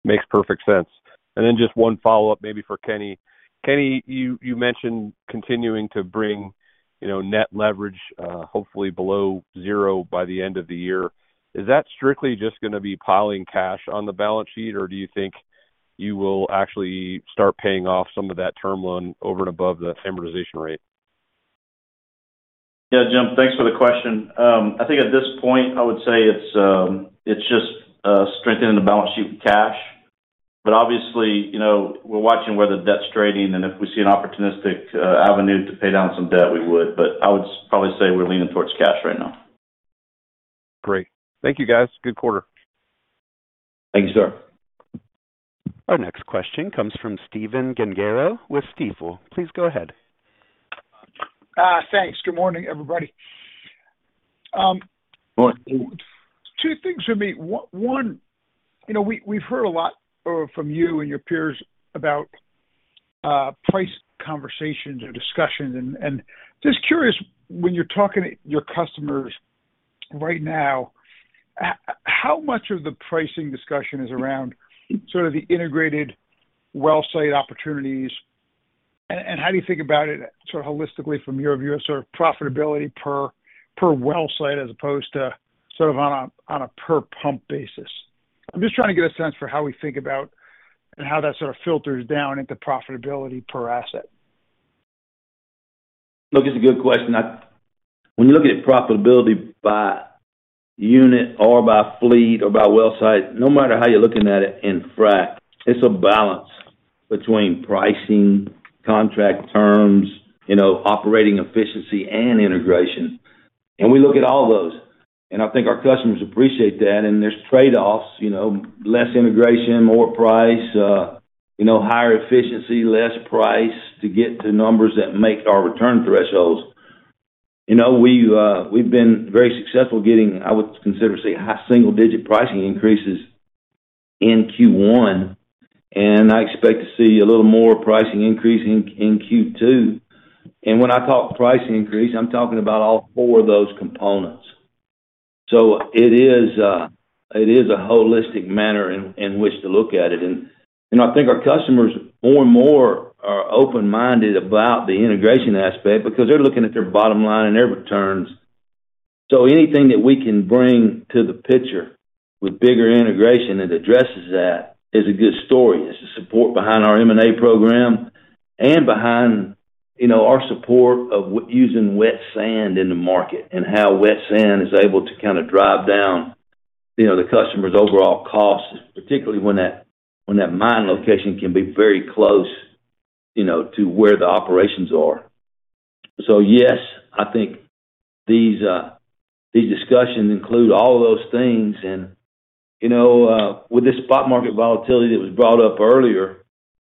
Makes perfect sense. Just one follow-up maybe for Kenny. Kenny, you mentioned continuing to bring, you know, net leverage, hopefully below 0 by the end of the year. Is that strictly just gonna be piling cash on the balance sheet, or do you think you will actually start paying off some of that term loan over and above the amortization rate? Yeah. Jim, thanks for the question. I think at this point, I would say it's just, strengthening the balance sheet with cash. Obviously, you know, we're watching where the debt's trading, and if we see an opportunistic avenue to pay down some debt, we would. I would probably say we're leaning towards cash right now. Great. Thank you, guys. Good quarter. Thank you, sir. Our next question comes from Stephen Gengaro with Stifel. Please go ahead. Thanks. Good morning, everybody. Good morning. Two things for me. One, you know, we've heard a lot from you and your peers about price conversations or discussions and just curious, when you're talking to your customers right now, how much of the pricing discussion is around sort of the integrated well site opportunities? How do you think about it sort of holistically from your view of sort of profitability per well site as opposed to sort of on a per pump basis? I'm just trying to get a sense for how we think about and how that sort of filters down into profitability per asset. Look, it's a good question. When you look at profitability by unit or by fleet or by well site, no matter how you're looking at it in Frac, it's a balance between pricing, contract terms, you know, operating efficiency and integration. We look at all those, and I think our customers appreciate that. There's trade-offs, you know, less integration, more price, you know, higher efficiency, less price to get to numbers that make our return thresholds. You know, we've been very successful getting, I would consider, say, high single-digit pricing increases in Q1, and I expect to see a little more pricing increase in Q2. When I talk price increase, I'm talking about all four of those components. It is a holistic manner in which to look at it. I think our customers more and more are open-minded about the integration aspect because they're looking at their bottom line and their returns. Anything that we can bring to the picture with bigger integration that addresses that is a good story. It's the support behind our M&A program and behind, you know, our support of using wet sand in the market and how wet sand is able to kind of drive down, you know, the customer's overall cost, particularly when that, when that mine location can be very close, you know, to where the operations are. Yes, I think these discussions include all of those things. you know, with this spot market volatility that was brought up earlier,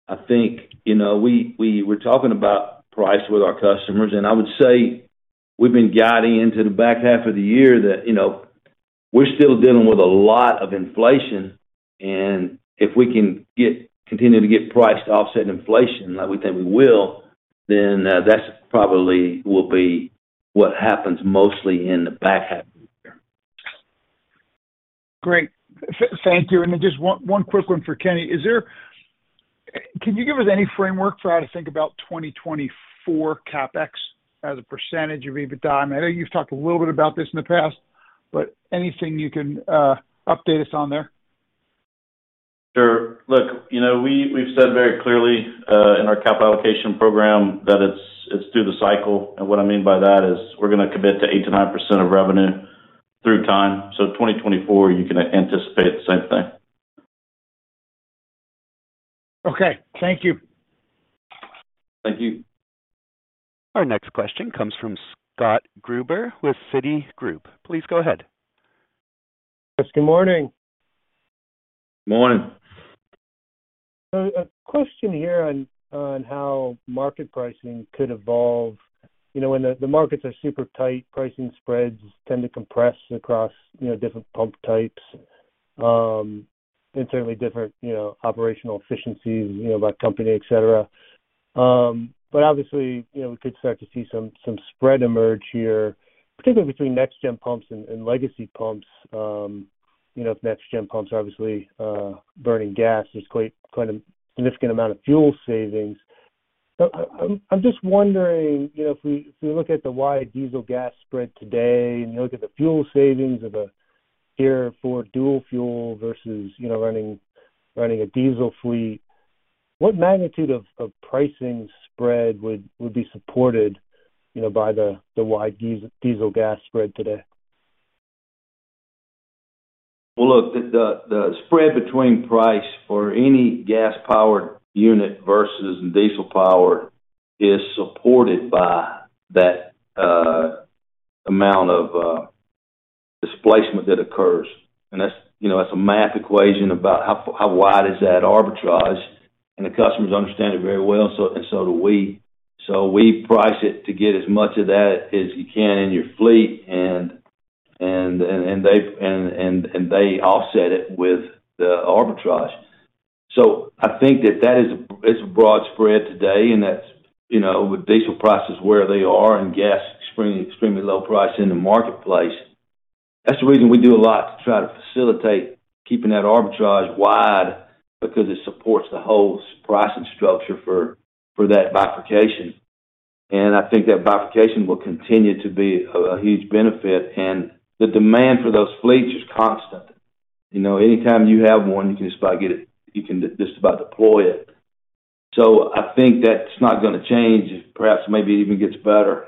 I think, you know, we were talking about price with our customers. I would say we've been guiding into the back half of the year that, you know, we're still dealing with a lot of inflation. If we can continue to get price to offset inflation like we think we will, then, that's probably will be what happens mostly in the back half of the year. Great. Thank you. Just one quick one for Kenny. Can you give us any framework for how to think about 2024 CapEx as a percentage of EBITDA? I know you've talked a little bit about this in the past, but anything you can update us on there? Sure. Look, you know, we've said very clearly, in our capital allocation program that it's through the cycle. What I mean by that is we're gonna commit to 8% to 9% of revenue through time. 2024, you can anticipate the same thing. Okay. Thank you. Thank you. Our next question comes from Scott Gruber with Citigroup. Please go ahead. Yes, good morning. Morning. A question here on how market pricing could evolve. You know, when the markets are super tight, pricing spreads tend to compress across, you know, different pump types, and certainly different, you know, operational efficiencies, you know, by company, et cetera. Obviously, you know, we could start to see some spread emerge here, particularly between next-gen pumps and legacy pumps. You know, if next-gen pumps obviously burning gas, there's quite a significant amount of fuel savings. I'm just wondering, you know, if we look at the wide diesel gas spread today and you look at the fuel savings of a Tier IV dual fuel vs, you know, running a diesel fleet, what magnitude of pricing spread would be supported, you know, by the wide diesel gas spread today? Well, look, the spread between price for any gas powered unit vs diesel power is supported by that amount of displacement that occurs. That's, you know, that's a math equation about how wide is that arbitrage. The customers understand it very well, and so do we. We price it to get as much of that as you can in your fleet and they offset it with the arbitrage. I think that that is a, it's a broad spread today, and that's, you know, with diesel prices where they are and gas extremely low price in the marketplace. That's the reason we do a lot to try to facilitate keeping that arbitrage wide because it supports the whole pricing structure for that bifurcation. I think that bifurcation will continue to be a huge benefit. The demand for those fleets is constant. You know, anytime you have one, you can just about get it. You can just about deploy it. I think that's not gonna change. Perhaps maybe it even gets better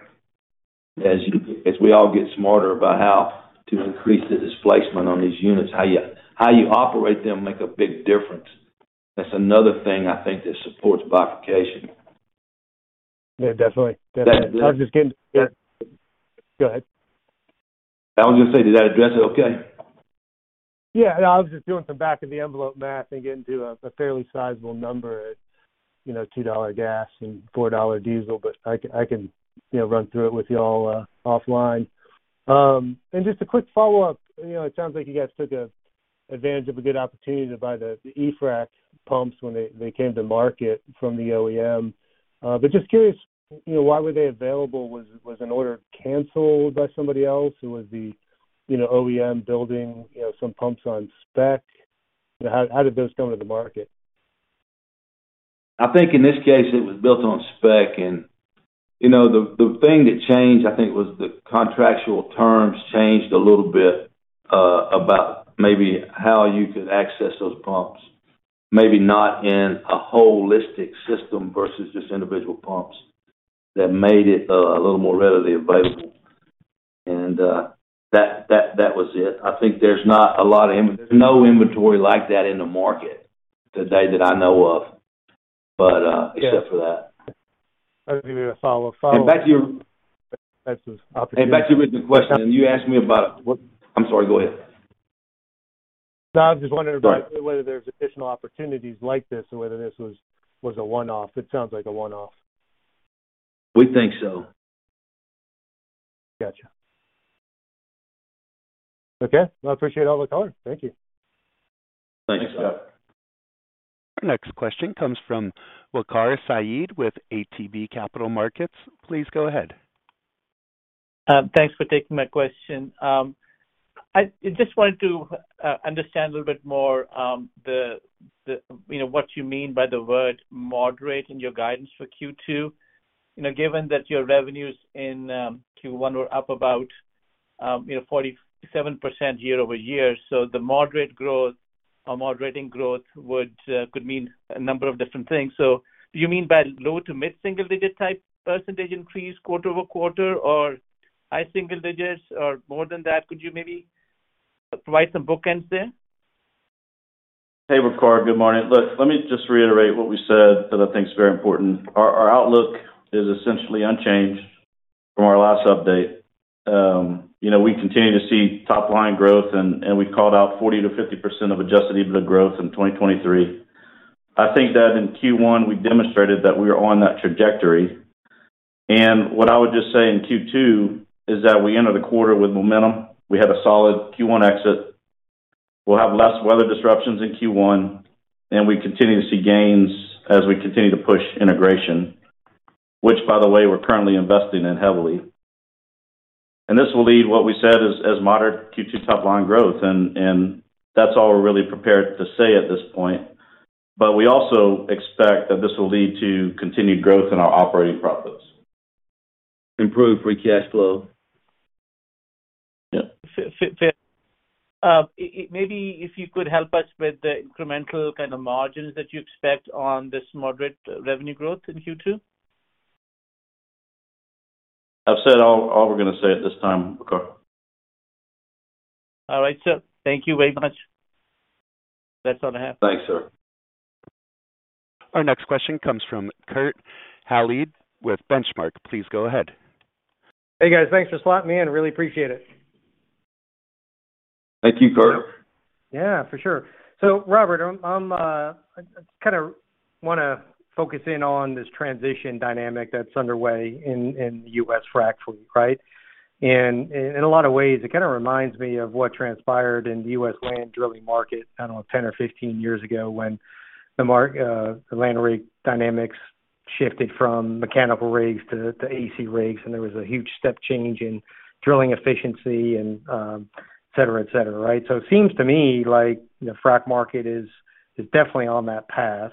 as you, as we all get smarter about how to increase the displacement on these units. How you operate them make a big difference. That's another thing I think that supports bifurcation. Yeah, definitely. Definitely. Does that address- Go ahead. I was gonna say, did that address it okay? Yeah. I was just doing some back of the envelope math and getting to a fairly sizable number at, you know, $2 gas and $4 diesel, but I can, you know, run through it with y'all offline. Just a quick follow-up. You know, it sounds like you guys took a advantage of a good opportunity to buy the eFrac pumps when they came to market from the OEM. Just curious, you know, why were they available? Was an order canceled by somebody else? Was the, you know, OEM building, you know, some pumps on spec? How did those come to the market? I think in this case it was built on spec. You know, the thing that changed, I think, was the contractual terms changed a little bit about maybe how you could access those pumps, maybe not in a holistic system vs just individual pumps. That made it a little more readily available. That was it. I think there's no inventory like that in the market today that I know of. Yeah. Except for that. I was gonna give you a follow-up. Back to your- That's just opportunity. Back to the original question. You asked me about. I'm sorry, go ahead. No, I was just wondering. Sorry. Whether there's additional opportunities like this or whether this was a one-off. It sounds like a one-off. We think so. Gotcha. Okay. Well, I appreciate all the color. Thank you. Thank you, Scott. Our next question comes from Waqar Syed with ATB Capital Markets. Please go ahead. Thanks for taking my question. I just wanted to understand a little bit more, you know, what you mean by the word moderate in your guidance for Q2, you know, given that your revenues in Q1 were up about, you know, 47% year over year. The moderate growth or moderating growth would could mean a number of different things. Do you mean by low to mid single digit type % increase quarter over quarter or high single digits or more than that? Could you maybe provide some bookends there? Hey, Waqar. Good morning. Look, let me just reiterate what we said that I think is very important. Our outlook is essentially unchanged from our last update. You know, we continue to see top line growth and we called out 40%-50% of adjusted EBITDA growth in 2023. I think that in Q1 we demonstrated that we are on that trajectory. What I would just say in Q2 is that we enter the quarter with momentum. We had a solid Q1 exit. We'll have less weather disruptions in Q1, and we continue to see gains as we continue to push integration, which by the way, we're currently investing in heavily. This will lead what we said as moderate Q2 top line growth and that's all we're really prepared to say at this point. We also expect that this will lead to continued growth in our operating profits. Improved free cash flow. Yeah. Fair. Maybe if you could help us with the incremental kind of margins that you expect on this moderate revenue growth in Q2? I've said all we're gonna say at this time, Waqar. All right, sir. Thank you very much. That's all I have. Thanks, sir. Our next question comes from Kurt Hallead with Benchmark. Please go ahead. Hey, guys. Thanks for slotting me in. Really appreciate it. Thank you, Kurt. Yeah, for sure. Robert, I'm, I kinda wanna focus in on this transition dynamic that's underway in the U.S. Frac fleet, right? In a lot of ways, it kind of reminds me of what transpired in the U.S. land drilling market, I don't know, 10 or 15 years ago when the land rig dynamics shifted from mechanical rigs to AC rigs, and there was a huge step change in drilling efficiency and et cetera, et cetera, right? It seems to me like the Frac market is definitely on that path.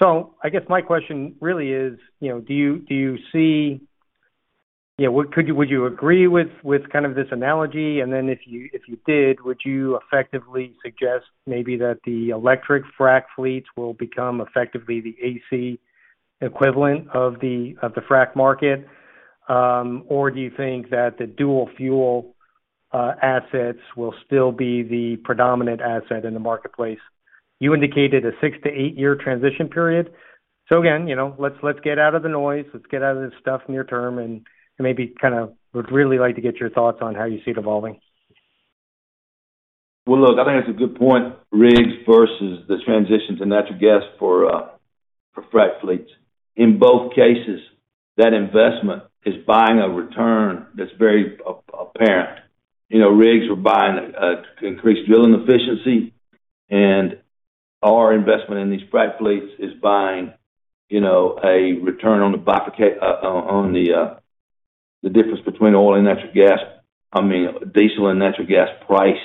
I guess my question really is, you know, do you see... You know, would you agree with kind of this analogy? If you, if you did, would you effectively suggest maybe that the electric Frac fleets will become effectively the AC equivalent of the Frac market? Do you think that the dual-fuel assets will still be the predominant asset in the marketplace? You indicated a 6-8-year transition period. Again, you know, let's get out of the noise, let's get out of the stuff near term, and maybe kind of would really like to get your thoughts on how you see it evolving. Well, look, I think that's a good point, rigs vs the transitions in natural gas for Frac fleets. In both cases, that investment is buying a return that's very apparent. You know, rigs were buying increased drilling efficiency, and our investment in these Frac fleets is buying, you know, a return on the difference between oil and natural gas. I mean, diesel and natural gas price.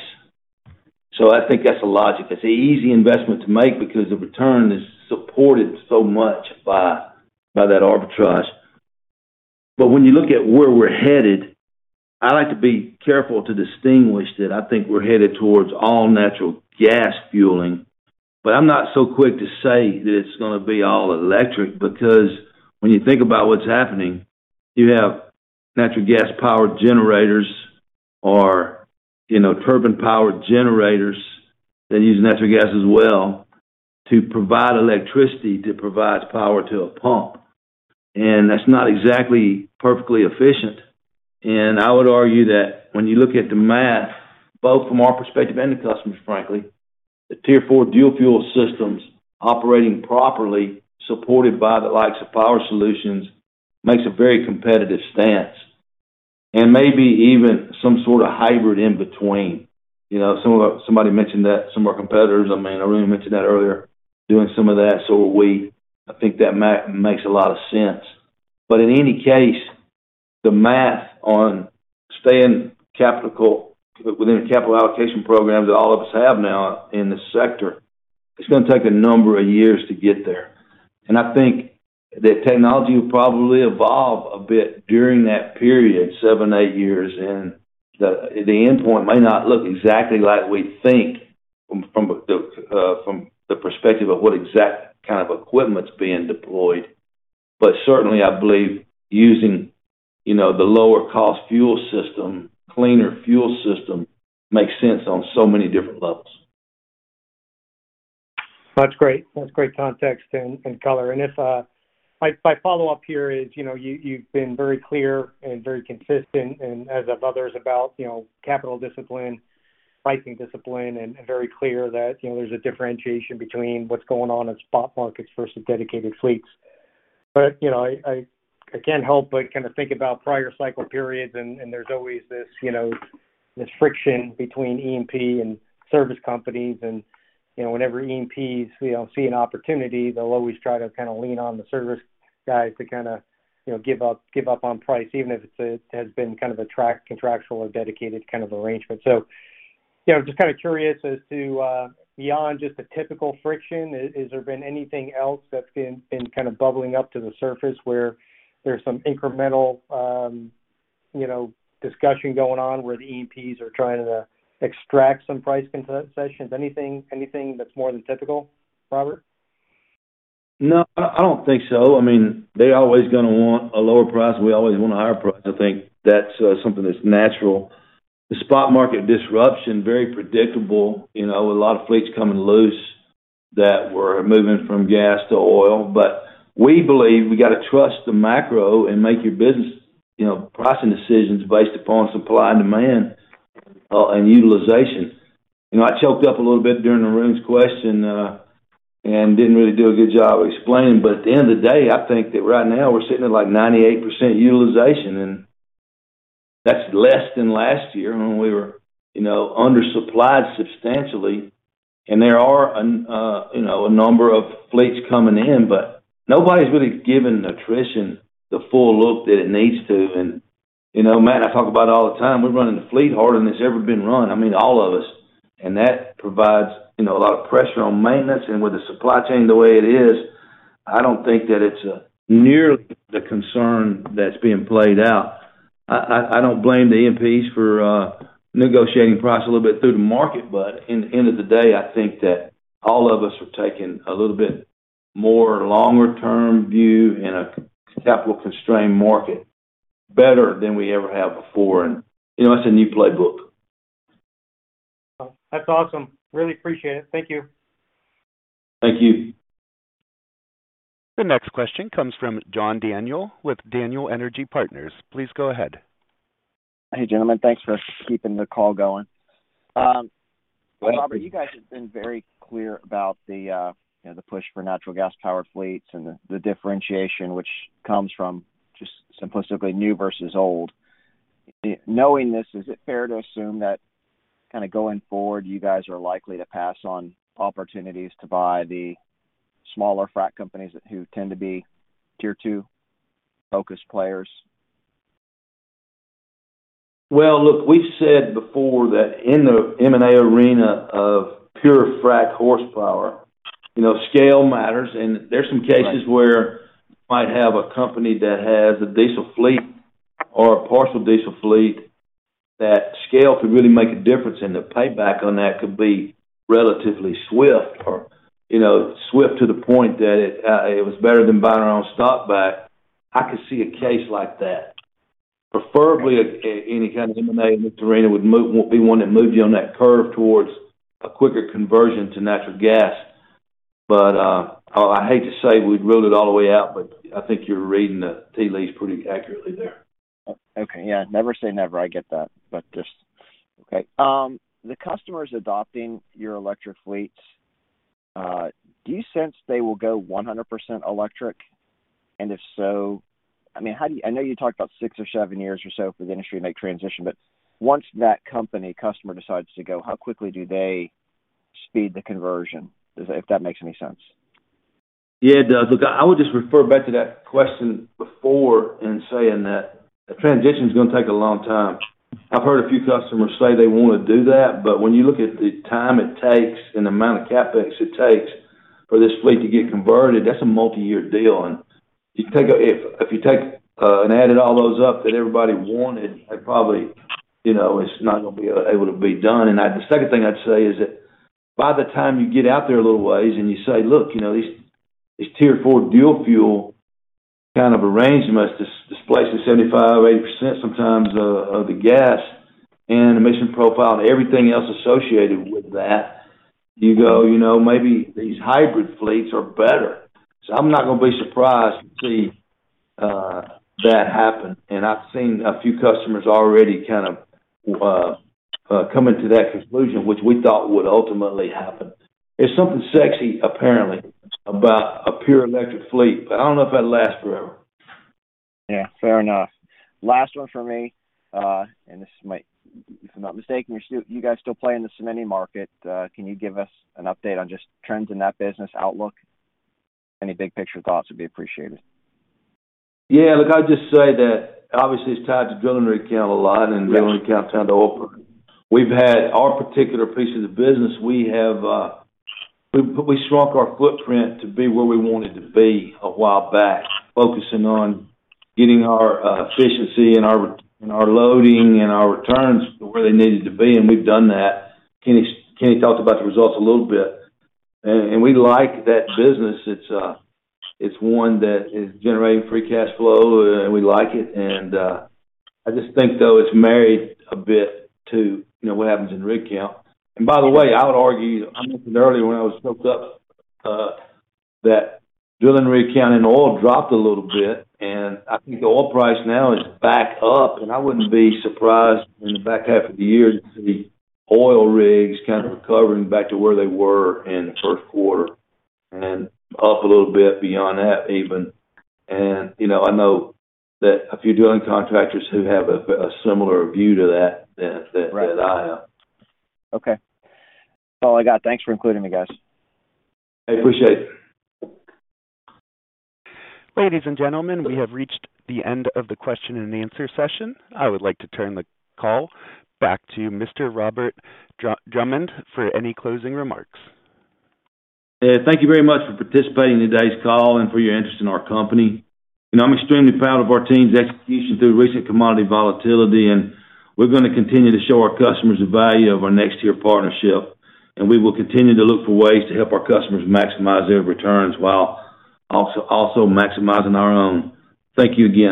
I think that's the logic. It's an easy investment to make because the return is supported so much by that arbitrage. When you look at where we're headed, I like to be careful to distinguish that I think we're headed towards all natural gas fueling. I'm not so quick to say that it's going to be all electric because when you think about what's happening, you have natural gas powered generators or, you know, turbine powered generators that use natural gas as well to provide electricity to provide power to a pump. That's not exactly perfectly efficient. I would argue that when you look at the math, both from our perspective and the customers frankly, the Tier IV dual fuel systems operating properly supported by the likes of Power Solutions makes a very competitive stance. Maybe even some sort of hybrid in between. You know, somebody mentioned that some of our competitors, I mean, Arun mentioned that earlier, doing some of that, so are we. I think that makes a lot of sense. In any case, the math on staying within the capital allocation program that all of us have now in this sector, it's gonna take a number of years to get there. I think the technology will probably evolve a bit during that period, seven, eight years, and the endpoint may not look exactly like we think from the perspective of what exact kind of equipment's being deployed. Certainly, I believe using, you know, the lower cost fuel system, cleaner fuel system makes sense on so many different levels. That's great. That's great context and color. My follow-up here is, you know, you've been very clear and very consistent and as have others about, you know, capital discipline, pricing discipline, and very clear that, you know, there's a differentiation between what's going on in spot markets vs dedicated fleets. I can't help but kind of think about prior cycle periods, and there's always this, you know, this friction between E&P and service companies. Whenever E&Ps, you know, see an opportunity, they'll always try to kind of lean on the service guys to kind of, you know, give up, give up on price, even if it's has been kind of a contractual or dedicated kind of arrangement. You know, just kind of curious as to beyond just the typical friction, has there been anything else that's been kind of bubbling up to the surface where there's some incremental, you know, discussion going on where the E&Ps are trying to extract some price concessions? Anything that's more than typical, Robert? No, I don't think so. I mean, they're always gonna want a lower price. We always want a higher price. I think that's something that's natural. The spot market disruption, very predictable. You know, a lot of fleets coming loose that were moving from gas to oil. We believe we got to trust the macro and make your business, you know, pricing decisions based upon supply and demand and utilization. You know, I choked up a little bit during Arun's question and didn't really do a good job explaining. At the end of the day, I think that right now we're sitting at, like, 98% utilization, and that's less than last year when we were, you know, undersupplied substantially. There are an, you know, a number of fleets coming in, but nobody's really given attrition the full look that it needs to. You know, Matt, I talk about it all the time. We're running the fleet harder than it's ever been run. I mean, all of us. That provides, you know, a lot of pressure on maintenance. With the supply chain the way it is, I don't think that it's, nearly the concern that's being played out. I don't blame the E&Ps for, negotiating price a little bit through the market, but in the end of the day, I think that all of us are taking a little bit-More longer term view in a capital constrained market better than we ever have before. You know, it's a new playbook. That's awesome. Really appreciate it. Thank you. Thank you. The next question comes from John Daniel with Daniel Energy Partners. Please go ahead. Hey, gentlemen. Thanks for keeping the call going. Robert, you guys have been very clear about the, you know, the push for natural gas powered fleets and the differentiation which comes from just simplistically new vs old. Knowing this, is it fair to assume that kind of going forward, you guys are likely to pass on opportunities to buy the smaller Frac companies who tend to be Tier II-focused players? Well, look, we've said before that in the M&A arena of pure Frac horsepower, you know, scale matters. There's some cases where you might have a company that has a diesel fleet or a partial diesel fleet, that scale could really make a difference, and the payback on that could be relatively swift or, you know, swift to the point that it was better than buying our own stock back. I could see a case like that. Preferably, any kind of M&A in this arena would be one that moved you on that curve towards a quicker conversion to natural gas. I hate to say we'd rule it all the way out, but I think you're reading the tea leaves pretty accurately there. Okay. Yeah. Never say never. I get that. Okay. The customers adopting your electric fleets, do you sense they will go 100% electric? If so, I mean, I know you talked about six or seven years or so for the industry to make transition, but once that company customer decides to go, how quickly do they speed the conversion, if that makes any sense. Yeah, it does. Look, I would just refer back to that question before in saying that the transition is gonna take a long time. I've heard a few customers say they wanna do that, but when you look at the time it takes and the amount of CapEx it takes for this fleet to get converted, that's a multi-year deal. If you take and added all those up that everybody wanted, it probably, you know, it's not gonna be able to be done. The second thing I'd say is that by the time you get out there a little ways and you say, "Look, you know, these Tier IV dual fuel kind of arrangements displacing 75%, 80% sometimes of the gas and emission profile and everything else associated with that," you go, "You know, maybe these hybrid fleets are better." I'm not gonna be surprised to see that happen. I've seen a few customers already kind of coming to that conclusion, which we thought would ultimately happen. There's something sexy, apparently, about a pure electric fleet. I don't know if that'll last forever. Yeah, fair enough. Last one for me. If I'm not mistaken, you guys still play in the cement market. Can you give us an update on just trends in that business outlook? Any big picture thoughts would be appreciated. Yeah, look, I'll just say that obviously it's tied to drilling rig count a lot, and drilling rig count's kind of over. We've had our particular piece of the business, we have, we shrunk our footprint to be where we wanted to be a while back, focusing on getting our efficiency and our loading and our returns to where they needed to be, and we've done that. Kenny talked about the results a little bit. We like that business. It's one that is generating free cash flow, and we like it. I just think, though, it's married a bit to, you know, what happens in rig count. By the way, I would argue, I mentioned earlier when I was hooked up, that drilling rig count in oil dropped a little bit, and I think the oil price now is back up. I wouldn't be surprised in the back half of the year to see oil rigs kind of recovering back to where they were in the first quarter and up a little bit beyond that even. You know, I know that a few drilling contractors who have a similar view to that than I have. Okay. That's all I got. Thanks for including me, guys. I appreciate it. Ladies and gentlemen, we have reached the end of the question and answer session. I would like to turn the call back to Mr. Robert Drummond for any closing remarks. Yeah. Thank you very much for participating in today's call and for your interest in our company. You know, I'm extremely proud of our team's execution through recent commodity volatility. We're gonna continue to show our customers the value of our NexTier partnership. We will continue to look for ways to help our customers maximize their returns while also maximizing our own. Thank you again.